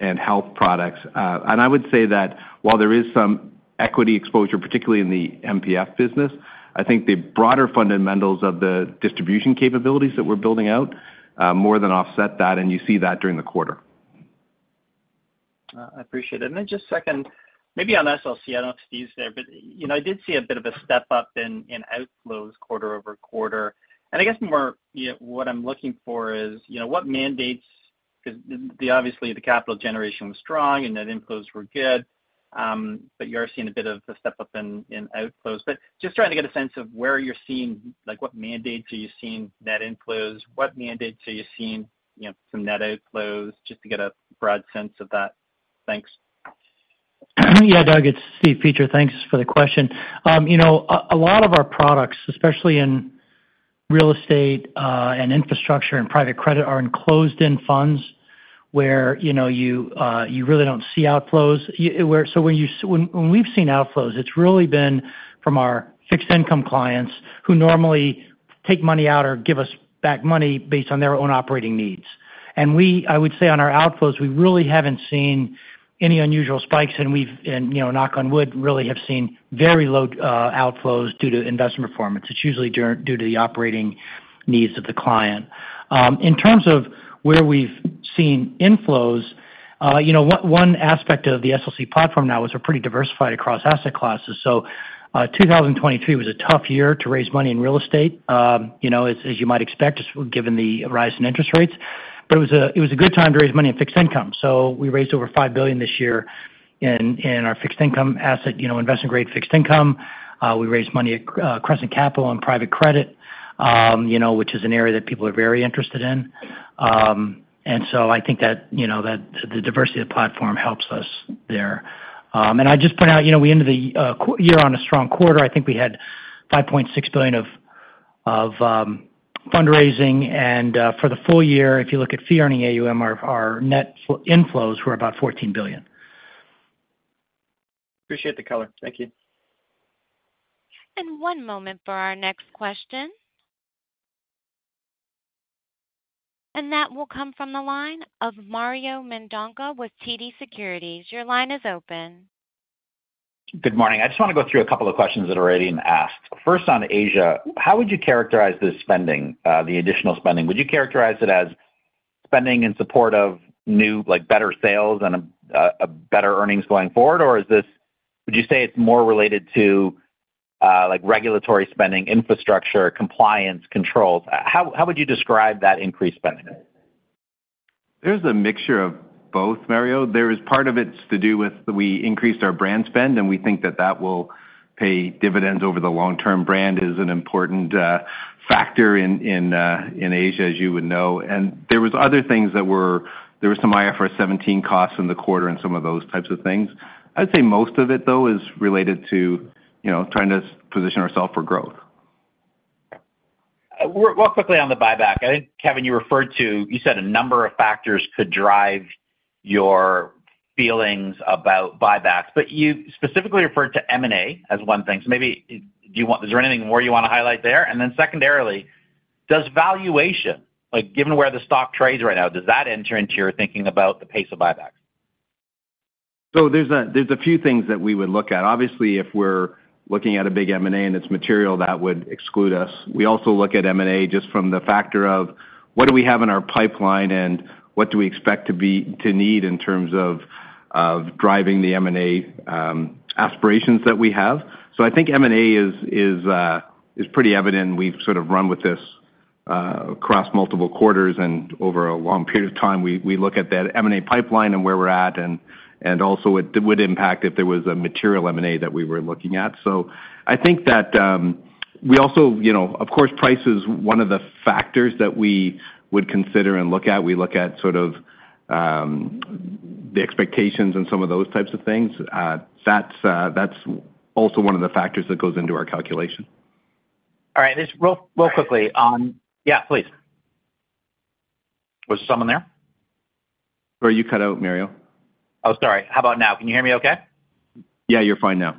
and health products. And I would say that while there is some equity exposure, particularly in the MPF business, I think the broader fundamentals of the distribution capabilities that we're building out more than offset that, and you see that during the quarter. I appreciate it. And then just second, maybe on SLC, I don't know if Steve's there, but, you know, I did see a bit of a step-up in, in outflows quarter-over-quarter. And I guess more, you know, what I'm looking for is, you know, what mandates—'cause the, obviously, the capital generation was strong and net inflows were good, but you are seeing a bit of a step-up in, in outflows. But just trying to get a sense of where you're seeing—like, what mandates are you seeing net inflows? What mandates are you seeing, you know, some net outflows? Just to get a broad sense of that. Thanks. Yeah, Doug, it's Steve Peacher. Thanks for the question. You know, a lot of our products, especially in real estate, and infrastructure and private credit, are in closed-end funds, where, you know, you really don't see outflows. So when we've seen outflows, it's really been from our fixed income clients who normally take money out or give us back money based on their own operating needs. I would say on our outflows, we really haven't seen any unusual spikes, and we've, you know, knock on wood, really have seen very low outflows due to investment performance. It's usually due to the operating needs of the client. In terms of where we've seen inflows, you know, one aspect of the SLC platform now is we're pretty diversified across asset classes. So, 2023 was a tough year to raise money in real estate, you know, as you might expect, just given the rise in interest rates. But it was a good time to raise money in fixed income. So we raised over $5 billion this year in our fixed income asset, you know, investment-grade fixed income. We raised money at Crescent Capital and private credit, you know, which is an area that people are very interested in. And so I think that, you know, that the diversity of the platform helps us there. And I just point out, you know, we ended the year on a strong quarter. I think we had $5.6 billion of fundraising. For the full year, if you look at fee earning AUM, our net inflows were about $14 billion. Appreciate the color. Thank you. One moment for our next question. That will come from the line of Mario Mendonca with TD Securities. Your line is open. Good morning. I just want to go through a couple of questions that were already asked. First, on Asia, how would you characterize the spending, the additional spending? Would you characterize it as spending in support of new, like, better sales and, a better earnings going forward, or is this, would you say it's more related to, like, regulatory spending, infrastructure, compliance, controls? How would you describe that increased spending? There's a mixture of both, Mario. There is part of it's to do with we increased our brand spend, and we think that that will pay dividends over the long term. Brand is an important factor in Asia, as you would know. And there was other things, there were some IFRS 17 costs in the quarter and some of those types of things. I'd say most of it, though, is related to, you know, trying to position ourself for growth. Real, real quickly on the buyback. I think, Kevin, you referred to—you said a number of factors could drive your feelings about buybacks, but you specifically referred to M&A as one thing. So maybe, do you want—is there anything more you want to highlight there? And then secondarily, does valuation, like, given where the stock trades right now, does that enter into your thinking about the pace of buybacks? So there's a few things that we would look at. Obviously, if we're looking at a big M&A and it's material, that would exclude us. We also look at M&A just from the factor of what do we have in our pipeline, and what do we expect to be to need in terms of driving the M&A aspirations that we have. So I think M&A is pretty evident. We've sort of run with this across multiple quarters and over a long period of time. We look at that M&A pipeline and where we're at, and also it would impact if there was a material M&A that we were looking at. So I think that we also, you know, of course, price is one of the factors that we would consider and look at. We look at sort of, the expectations and some of those types of things. That's, that's also one of the factors that goes into our calculation. All right, just real, real quickly on... Yeah, please. Was someone there? Sorry, you cut out, Mario. Oh, sorry. How about now? Can you hear me okay? Yeah, you're fine now.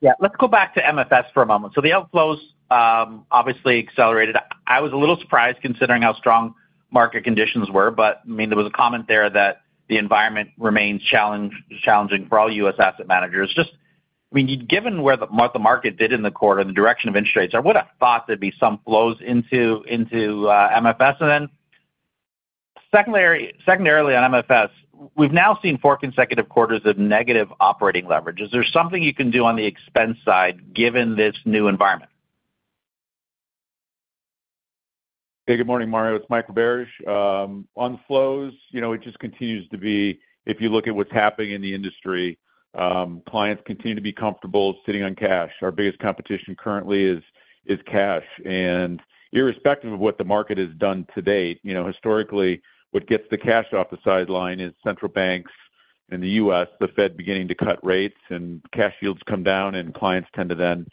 Yeah. Let's go back to MFS for a moment. So the outflows obviously accelerated. I was a little surprised, considering how strong market conditions were, but, I mean, there was a comment there that the environment remains challenging for all U.S. asset managers. Just, I mean, given where the market did in the quarter, the direction of interest rates, I would have thought there'd be some flows into MFS then? Secondly, secondarily, on MFS, we've now seen four consecutive quarters of negative operating leverage. Is there something you can do on the expense side, given this new environment? Hey, good morning, Mario. It's Mike Roberge. On flows, you know, it just continues to be, if you look at what's happening in the industry, clients continue to be comfortable sitting on cash. Our biggest competition currently is cash, and irrespective of what the market has done to date, you know, historically, what gets the cash off the sideline is central banks. In the U.S., the Fed beginning to cut rates and cash yields come down, and clients tend to then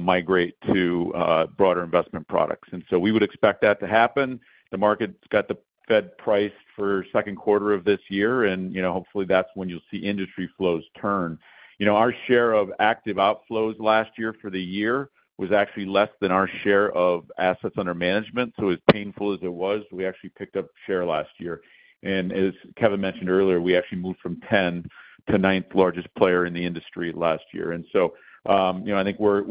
migrate to broader investment products. And so we would expect that to happen. The market's got the Fed price for second quarter of this year, and, you know, hopefully, that's when you'll see industry flows turn. You know, our share of active outflows last year for the year was actually less than our share of assets under management. As painful as it was, we actually picked up share last year. As Kevin mentioned earlier, we actually moved from tenth to ninth largest player in the industry last year. So, you know, I think we're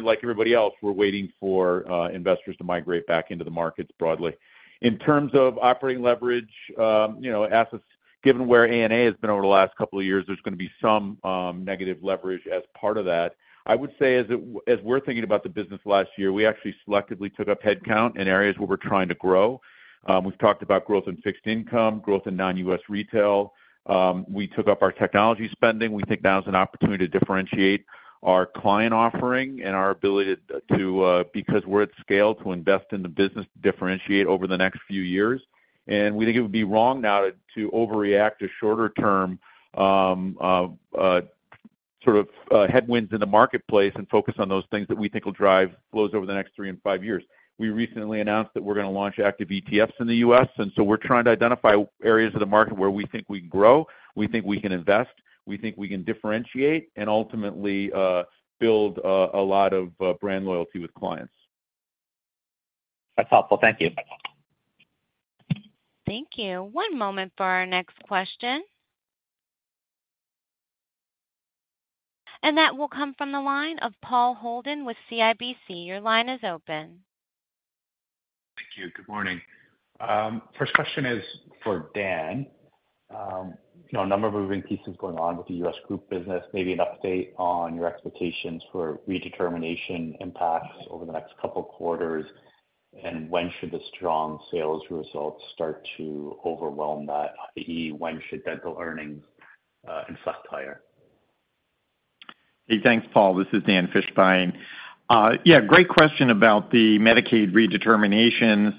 like everybody else, we're waiting for investors to migrate back into the markets broadly. In terms of operating leverage, you know, assets, given where ANA has been over the last couple of years, there's gonna be some negative leverage as part of that. I would say as we're thinking about the business last year, we actually selectively took up headcount in areas where we're trying to grow. We've talked about growth in fixed income, growth in non-US retail. We took up our technology spending. We think now is an opportunity to differentiate our client offering and our ability to, because we're at scale, to invest in the business, to differentiate over the next few years. We think it would be wrong now to overreact to shorter term, sort of, headwinds in the marketplace and focus on those things that we think will drive flows over the next three and five years. We recently announced that we're gonna launch active ETFs in the U.S., and so we're trying to identify areas of the market where we think we can grow, we think we can invest, we think we can differentiate, and ultimately, build a lot of brand loyalty with clients. That's helpful. Thank you. Thank you. One moment for our next question. That will come from the line of Paul Holden with CIBC. Your line is open. Thank you. Good morning. First question is for Dan. You know, a number of moving pieces going on with the U.S. group business. Maybe an update on your expectations for redetermination impacts over the next couple quarters, and when should the strong sales results start to overwhelm that, i.e., when should dental earnings inflect higher? Hey, thanks, Paul. This is Dan Fishbein. Yeah, great question about the Medicaid redeterminations.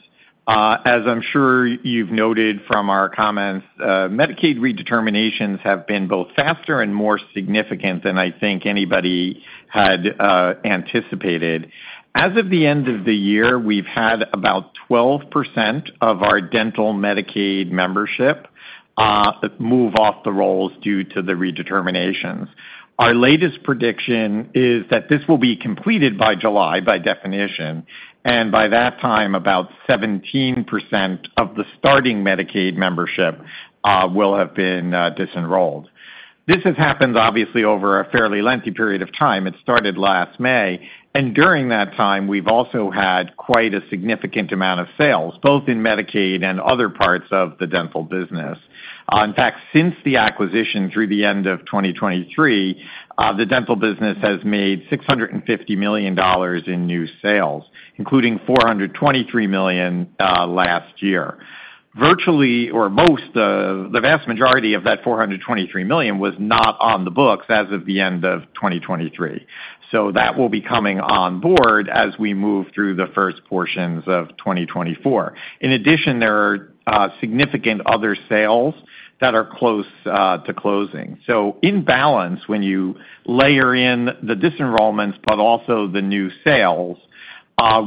As I'm sure you've noted from our comments, Medicaid redeterminations have been both faster and more significant than I think anybody had anticipated. As of the end of the year, we've had about 12% of our dental Medicaid membership move off the rolls due to the redeterminations. Our latest prediction is that this will be completed by July, by definition, and by that time, about 17% of the starting Medicaid membership will have been disenrolled. This has happened obviously over a fairly lengthy period of time. It started last May, and during that time, we've also had quite a significant amount of sales, both in Medicaid and other parts of the dental business. In fact, since the acquisition through the end of 2023, the dental business has made $650 million in new sales, including $423 million last year. Virtually, or most of, the vast majority of that $423 million was not on the books as of the end of 2023. So that will be coming on board as we move through the first portions of 2024. In addition, there are significant other sales that are close to closing. So in balance, when you layer in the disenrollments but also the new sales,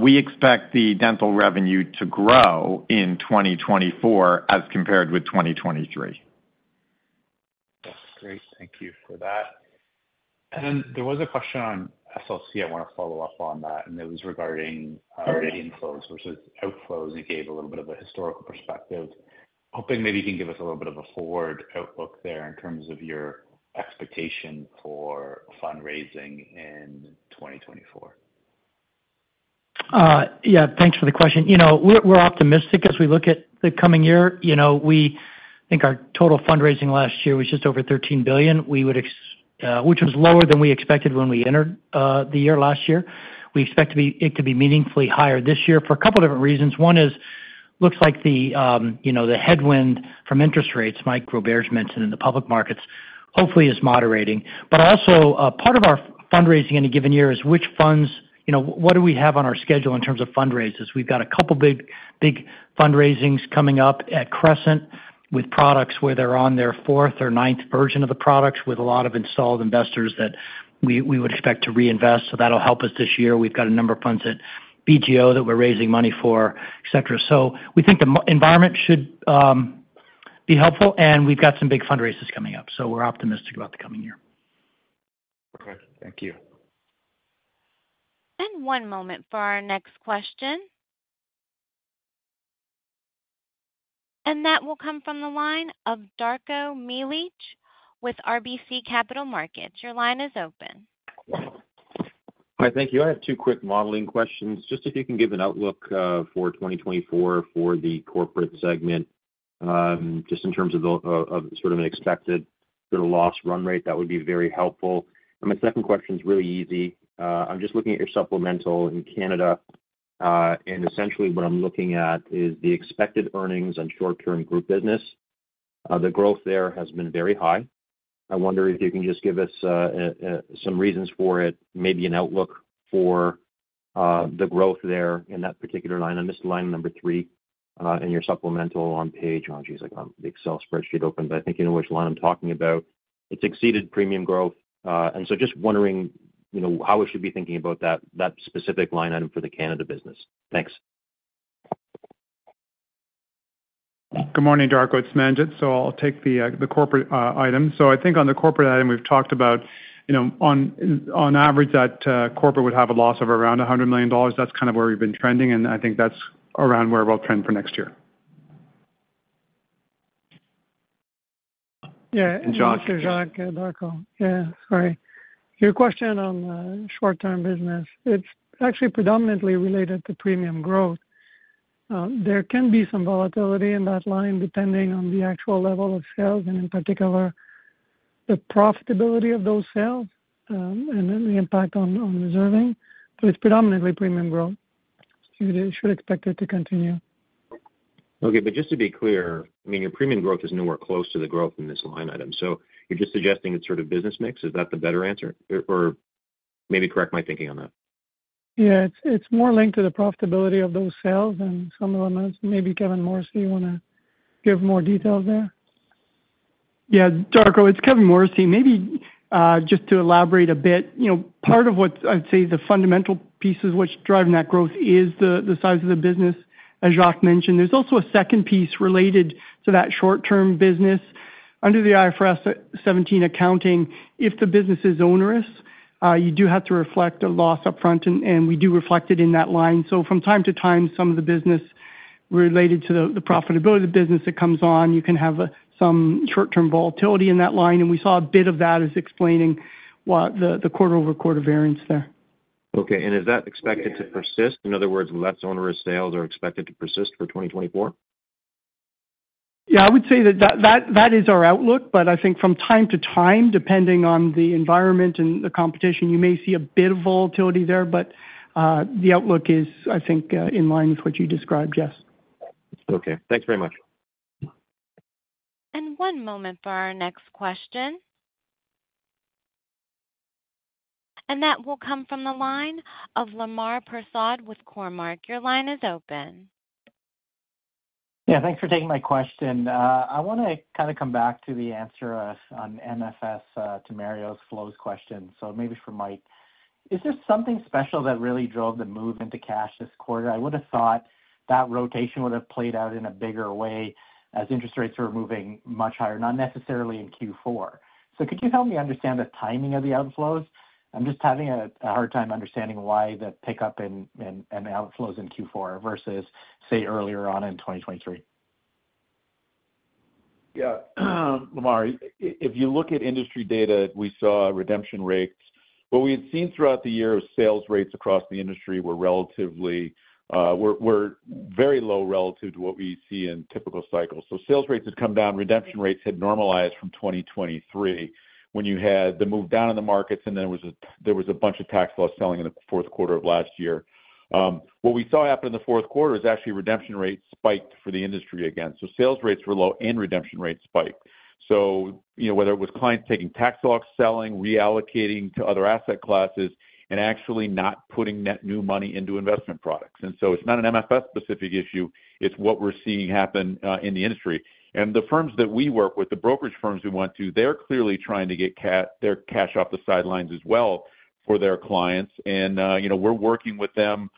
we expect the dental revenue to grow in 2024 as compared with 2023. That's great. Thank you for that. And then there was a question on SLC. I wanna follow up on that, and it was regarding inflows versus outflows. You gave a little bit of a historical perspective. Hoping maybe you can give us a little bit of a forward outlook there in terms of your expectation for fundraising in 2024. Yeah, thanks for the question. You know, we're optimistic as we look at the coming year. You know, we think our total fundraising last year was just over $13 billion, which was lower than we expected when we entered the year last year. We expect it to be meaningfully higher this year for a couple different reasons. One is, looks like the, you know, the headwind from interest rates, Mike Roberge mentioned in the public markets, hopefully is moderating. But also, part of our fundraising in a given year is which funds. You know, what do we have on our schedule in terms of fundraisers? We've got a couple big, big fundraisings coming up at Crescent, with products where they're on their fourth or ninth version of the products, with a lot of installed investors that we, we would expect to reinvest. So that'll help us this year. We've got a number of funds at BGO that we're raising money for, et cetera. So we think the environment should be helpful, and we've got some big fundraisers coming up, so we're optimistic about the coming year. Okay, thank you. One moment for our next question. That will come from the line of Darko Mihelic with RBC Capital Markets. Your line is open.... Hi, thank you. I have two quick modeling questions. Just if you can give an outlook for 2024 for the corporate segment, just in terms of the of sort of an expected sort of loss run rate, that would be very helpful. And my second question is really easy. I'm just looking at your supplemental in Canada, and essentially what I'm looking at is the expected earnings and short-term group business. The growth there has been very high. I wonder if you can just give us some reasons for it, maybe an outlook for the growth there in that particular line. I missed the line number three in your supplemental on page - oh, geez, I got the Excel spreadsheet open, but I think you know which line I'm talking about. It's exceeded premium growth. Just wondering, you know, how we should be thinking about that, that specific line item for the Canada business? Thanks. Good morning, Darko. It's Manjit, so I'll take the corporate item. So I think on the corporate item, we've talked about, you know, on average, that corporate would have a loss of around 100 million dollars. That's kind of where we've been trending, and I think that's around where we'll trend for next year. Yeah. And Jacques- Jacques, Darko. Yeah, sorry. Your question on the short-term business, it's actually predominantly related to premium growth. There can be some volatility in that line, depending on the actual level of sales and in particular, the profitability of those sales, and then the impact on, on reserving. So it's predominantly premium growth. You should, should expect it to continue. Okay, but just to be clear, I mean, your premium growth is nowhere close to the growth in this line item. So you're just suggesting it's sort of business mix? Is that the better answer? Or maybe correct my thinking on that. Yeah, it's more linked to the profitability of those sales and some of the amounts. Maybe Kevin Morrissey, you want to give more details there? Yeah, Darko, it's Kevin Morrissey. Maybe just to elaborate a bit, you know, part of what I'd say the fundamental pieces which are driving that growth is the size of the business, as Jacques mentioned. There's also a second piece related to that short-term business. Under the IFRS 17 accounting, if the business is onerous, you do have to reflect a loss upfront, and we do reflect it in that line. So from time to time, some of the business related to the profitability of the business that comes on, you can have some short-term volatility in that line, and we saw a bit of that as explaining what the quarter-over-quarter variance there. Okay. Is that expected to persist? In other words, less onerous sales are expected to persist for 2024? Yeah, I would say that is our outlook, but I think from time to time, depending on the environment and the competition, you may see a bit of volatility there, but the outlook is, I think, in line with what you described, yes. Okay. Thanks very much. One moment for our next question. That will come from the line of Lemar Persaud with Cormark. Your line is open. Yeah, thanks for taking my question. I want to kind of come back to the answer on MFS, to Mario's flows question. So maybe for Mike. Is there something special that really drove the move into cash this quarter? I would have thought that rotation would have played out in a bigger way as interest rates were moving much higher, not necessarily in Q4. So could you help me understand the timing of the outflows? I'm just having a hard time understanding why the pickup in outflows in Q4 versus, say, earlier on in 2023. Yeah. Lamar, if you look at industry data, we saw redemption rates. What we had seen throughout the year was sales rates across the industry were relatively very low relative to what we see in typical cycles. So sales rates had come down, redemption rates had normalized from 2023, when you had the move down in the markets, and there was a bunch of tax loss selling in the fourth quarter of last year. What we saw happen in the fourth quarter is actually redemption rates spiked for the industry again. So sales rates were low and redemption rates spiked. So you know, whether it was clients taking tax loss selling, reallocating to other asset classes, and actually not putting net new money into investment products. And so it's not an MFS specific issue, it's what we're seeing happen in the industry. And the firms that we work with, the brokerage firms we want to, they're clearly trying to get their cash off the sidelines as well for their clients, and, you know, we're working with them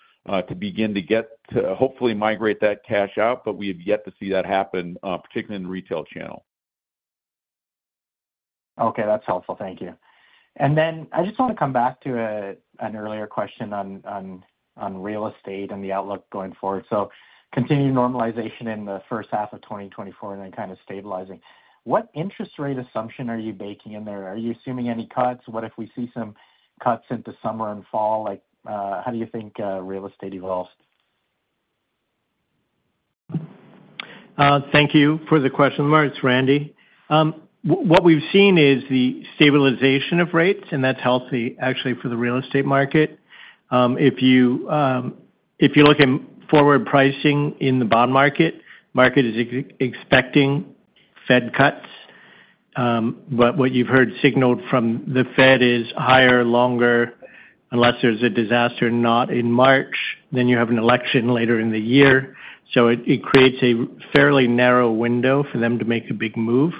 to begin to get, to hopefully migrate that cash out, but we have yet to see that happen, particularly in the retail channel. Okay, that's helpful. Thank you. And then I just want to come back to an earlier question on real estate and the outlook going forward. So continuing normalization in the first half of 2024 and then kind of stabilizing. What interest rate assumption are you baking in there? Are you assuming any cuts? What if we see some cuts into summer and fall? Like, how do you think real estate evolves? Thank you for the question, Lamar. It's Randy. What we've seen is the stabilization of rates, and that's healthy actually for the real estate market. If you, if you look at forward pricing in the bond market, market is expecting Fed cuts. But what you've heard signaled from the Fed is higher, longer, unless there's a disaster, not in March, then you have an election later in the year. So it creates a fairly narrow window for them to make a big move.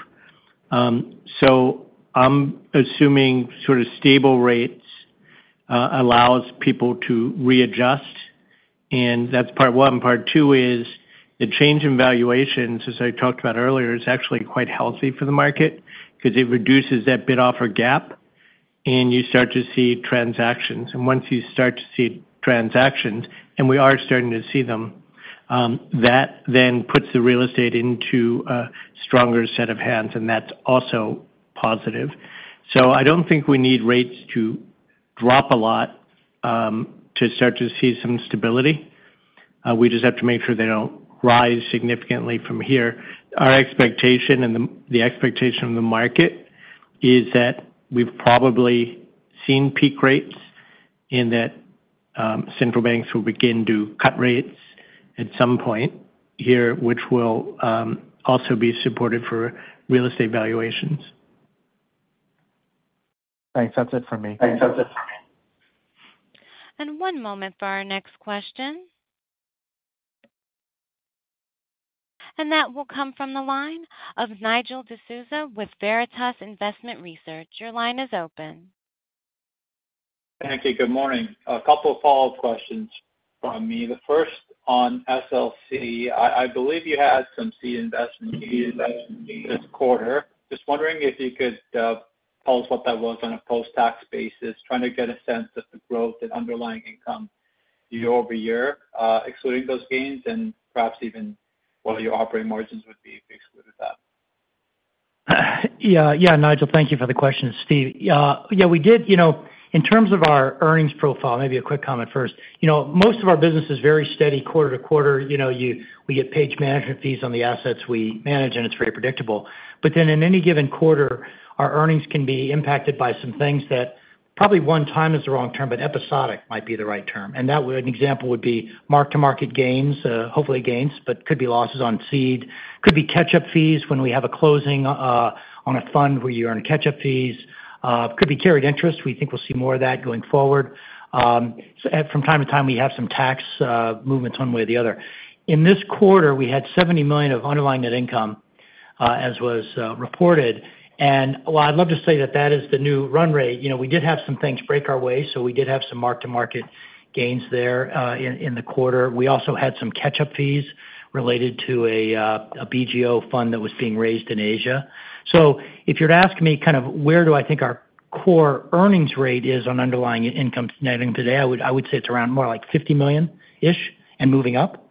So I'm assuming sort of stable rates allows people to readjust, and that's part one. Part two is the change in valuations, as I talked about earlier, is actually quite healthy for the market because it reduces that bid-offer gap and you start to see transactions. Once you start to see transactions, and we are starting to see them, that then puts the real estate into a stronger set of hands, and that's also positive. So I don't think we need rates to drop a lot, to start to see some stability. We just have to make sure they don't rise significantly from here. Our expectation and the expectation of the market is that we've probably seen peak rates and that, central banks will begin to cut rates at some point here, which will also be supportive for real estate valuations. Thanks. That's it for me. One moment for our next question. That will come from the line of Nigel D'Souza with Veritas Investment Research. Your line is open. Thank you. Good morning. A couple of follow-up questions from me. The first on SLC. I believe you had some seed investment this quarter. Just wondering if you could tell us what that was on a post-tax basis? Trying to get a sense of the growth in underlying income year-over-year, excluding those gains, and perhaps even what your operating margins would be if you excluded that. Yeah, yeah, Nigel, thank you for the question. It's Steve. Yeah, we did. You know, in terms of our earnings profile, maybe a quick comment first. You know, most of our business is very steady quarter to quarter. You know, you—we get paid management fees on the assets we manage, and it's very predictable. But then in any given quarter, our earnings can be impacted by some things that probably one time is the wrong term, but episodic might be the right term. And that would—an example would be mark-to-market gains, hopefully gains, but could be losses on seed, could be catch-up fees when we have a closing on a fund where you earn catch-up fees, could be carried interest. We think we'll see more of that going forward. So, from time to time, we have some tax movements one way or the other. In this quarter, we had 70 million of underlying net income as was reported. And while I'd love to say that that is the new run rate, you know, we did have some things break our way, so we did have some mark-to-market gains there in the quarter. We also had some catch-up fees related to a BGO fund that was being raised in Asia. So if you were to ask me kind of where do I think our core earnings rate is on underlying income net income today, I would say it's around more like 50 million-ish and moving up.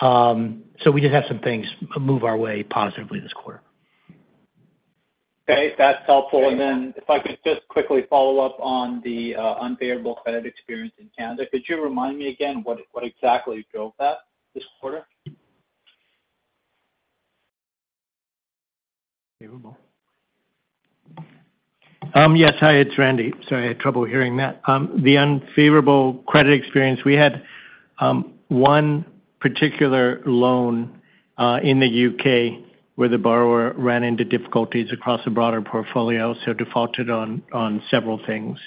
So we did have some things move our way positively this quarter. Okay, that's helpful. And then if I could just quickly follow up on the unfavorable credit experience in Canada. Could you remind me again what, what exactly drove that this quarter? Yes. Hi, it's Randy. Sorry, I had trouble hearing that. The unfavorable credit experience, we had one particular loan in the U.K., where the borrower ran into difficulties across a broader portfolio, so defaulted on several things.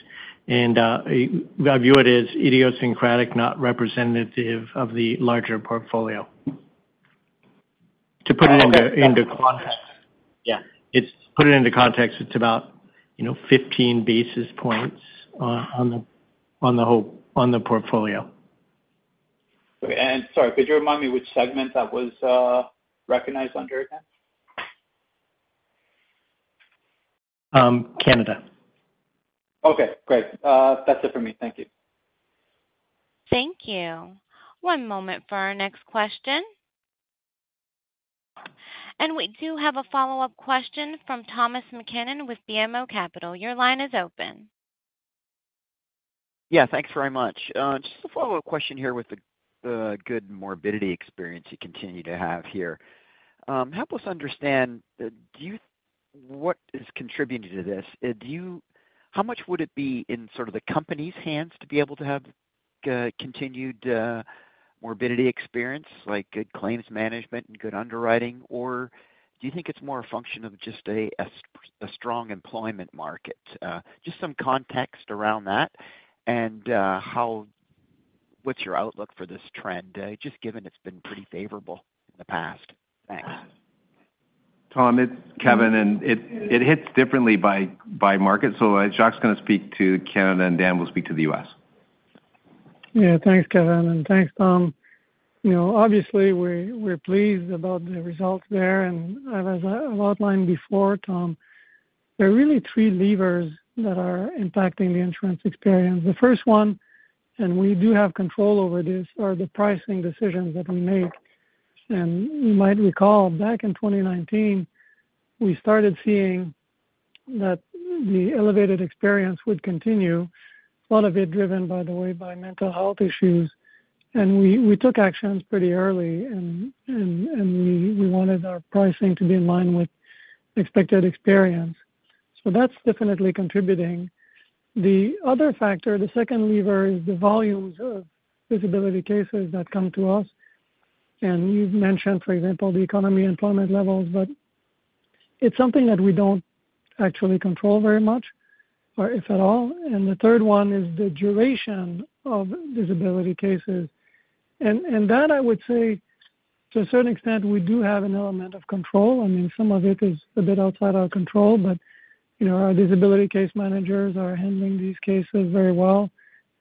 And I view it as idiosyncratic, not representative of the larger portfolio. To put it into context. [crosstalks] Yeah. Put it into context, it's about, you know, 15 basis points on the whole portfolio. Okay. And sorry, could you remind me which segment that was recognized under again? Um, Canada. Okay, great. That's it for me. Thank you. Thank you. One moment for our next question. We do have a follow-up question from Thomas MacKinnon with BMO Capital. Your line is open. Yeah, thanks very much. Just a follow-up question here with the good morbidity experience you continue to have here. Help us understand, do you—what is contributing to this? Do you—how much would it be in sort of the company's hands to be able to have continued morbidity experience, like good claims management and good underwriting, or do you think it's more a function of just a strong employment market? Just some context around that, and how—what's your outlook for this trend, just given it's been pretty favorable in the past? Thanks. Tom, it's Kevin, and it hits differently by market. So Jacques is going to speak to Canada, and Dan will speak to the US. Yeah. Thanks, Kevin, and thanks, Tom. You know, obviously, we're pleased about the results there. As I've outlined before, Tom, there are really three levers that are impacting the insurance experience. The first one, and we do have control over this, are the pricing decisions that we make. You might recall, back in 2019, we started seeing that the elevated experience would continue, a lot of it driven, by the way, by mental health issues. We took actions pretty early, and we wanted our pricing to be in line with expected experience. So that's definitely contributing. The other factor, the second lever, is the volumes of disability cases that come to us. You've mentioned, for example, the economy, employment levels, but it's something that we don't actually control very much, or if at all. And the third one is the duration of disability cases. And that, I would say, to a certain extent, we do have an element of control. I mean, some of it is a bit outside our control, but, you know, our disability case managers are handling these cases very well.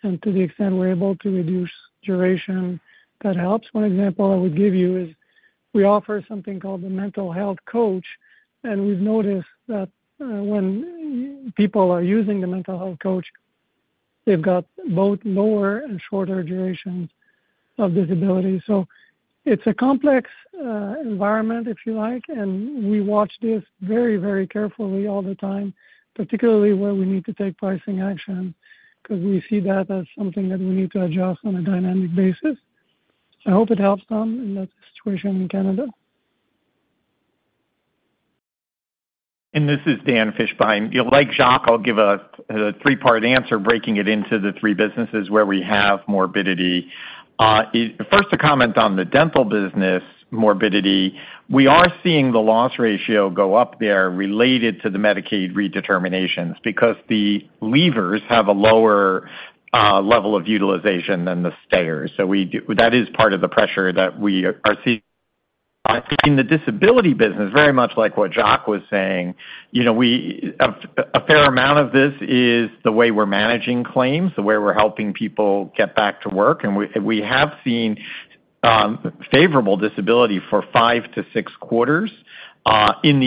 And to the extent we're able to reduce duration, that helps. One example I would give you is we offer something called the Mental Health Coach, and we've noticed that when people are using the Mental Health Coach, they've got both lower and shorter durations of disability. So it's a complex environment, if you like, and we watch this very, very carefully all the time, particularly where we need to take pricing action, 'cause we see that as something that we need to adjust on a dynamic basis. I hope it helps some in that situation in Canada. This is Dan Fishbein. Like Jacques, I'll give a three part answer, breaking it into the three businesses where we have morbidity. First, to comment on the dental business morbidity, we are seeing the loss ratio go up there related to the Medicaid redeterminations because the leavers have a lower level of utilization than the stayers. So we do. That is part of the pressure that we are seeing. In the disability business, very much like what Jacques was saying, you know, we have a fair amount of this is the way we're managing claims, the way we're helping people get back to work, and we have seen favorable disability for five to six quarters. In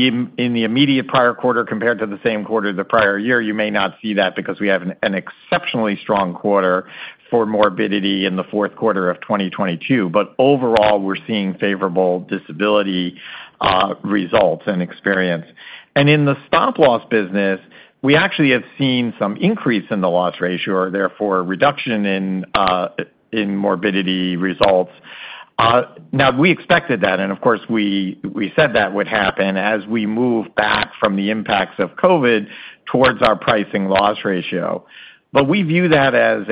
the immediate prior quarter compared to the same quarter the prior year, you may not see that because we have an exceptionally strong quarter for morbidity in the Q4 of 2022. But overall, we're seeing favorable disability results and experience. And in the stop-loss business, we actually have seen some increase in the loss ratio or therefore, a reduction in morbidity results. Now we expected that, and of course, we said that would happen as we move back from the impacts of COVID towards our pricing loss ratio. But we view that as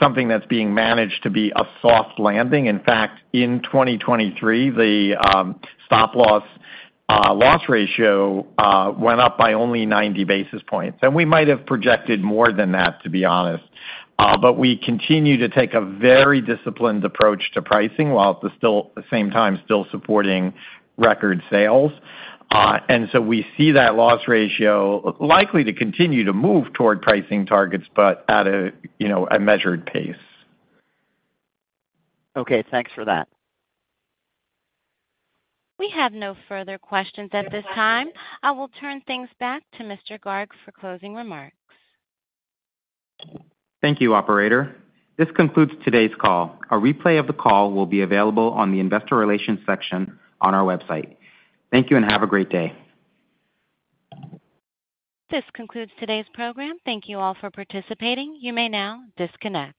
something that's being managed to be a soft landing. In fact, in 2023, the stop-loss loss ratio went up by only 90 basis points. And we might have projected more than that, to be honest. But we continue to take a very disciplined approach to pricing, while at the same time, still supporting record sales. And so we see that loss ratio likely to continue to move toward pricing targets, but at a, you know, a measured pace. Okay, thanks for that. We have no further questions at this time. I will turn things back to Mr. Garg for closing remarks. Thank you, operator. This concludes today's call. A replay of the call will be available on the investor relations section on our website. Thank you, and have a great day. This concludes today's program. Thank you all for participating. You may now disconnect.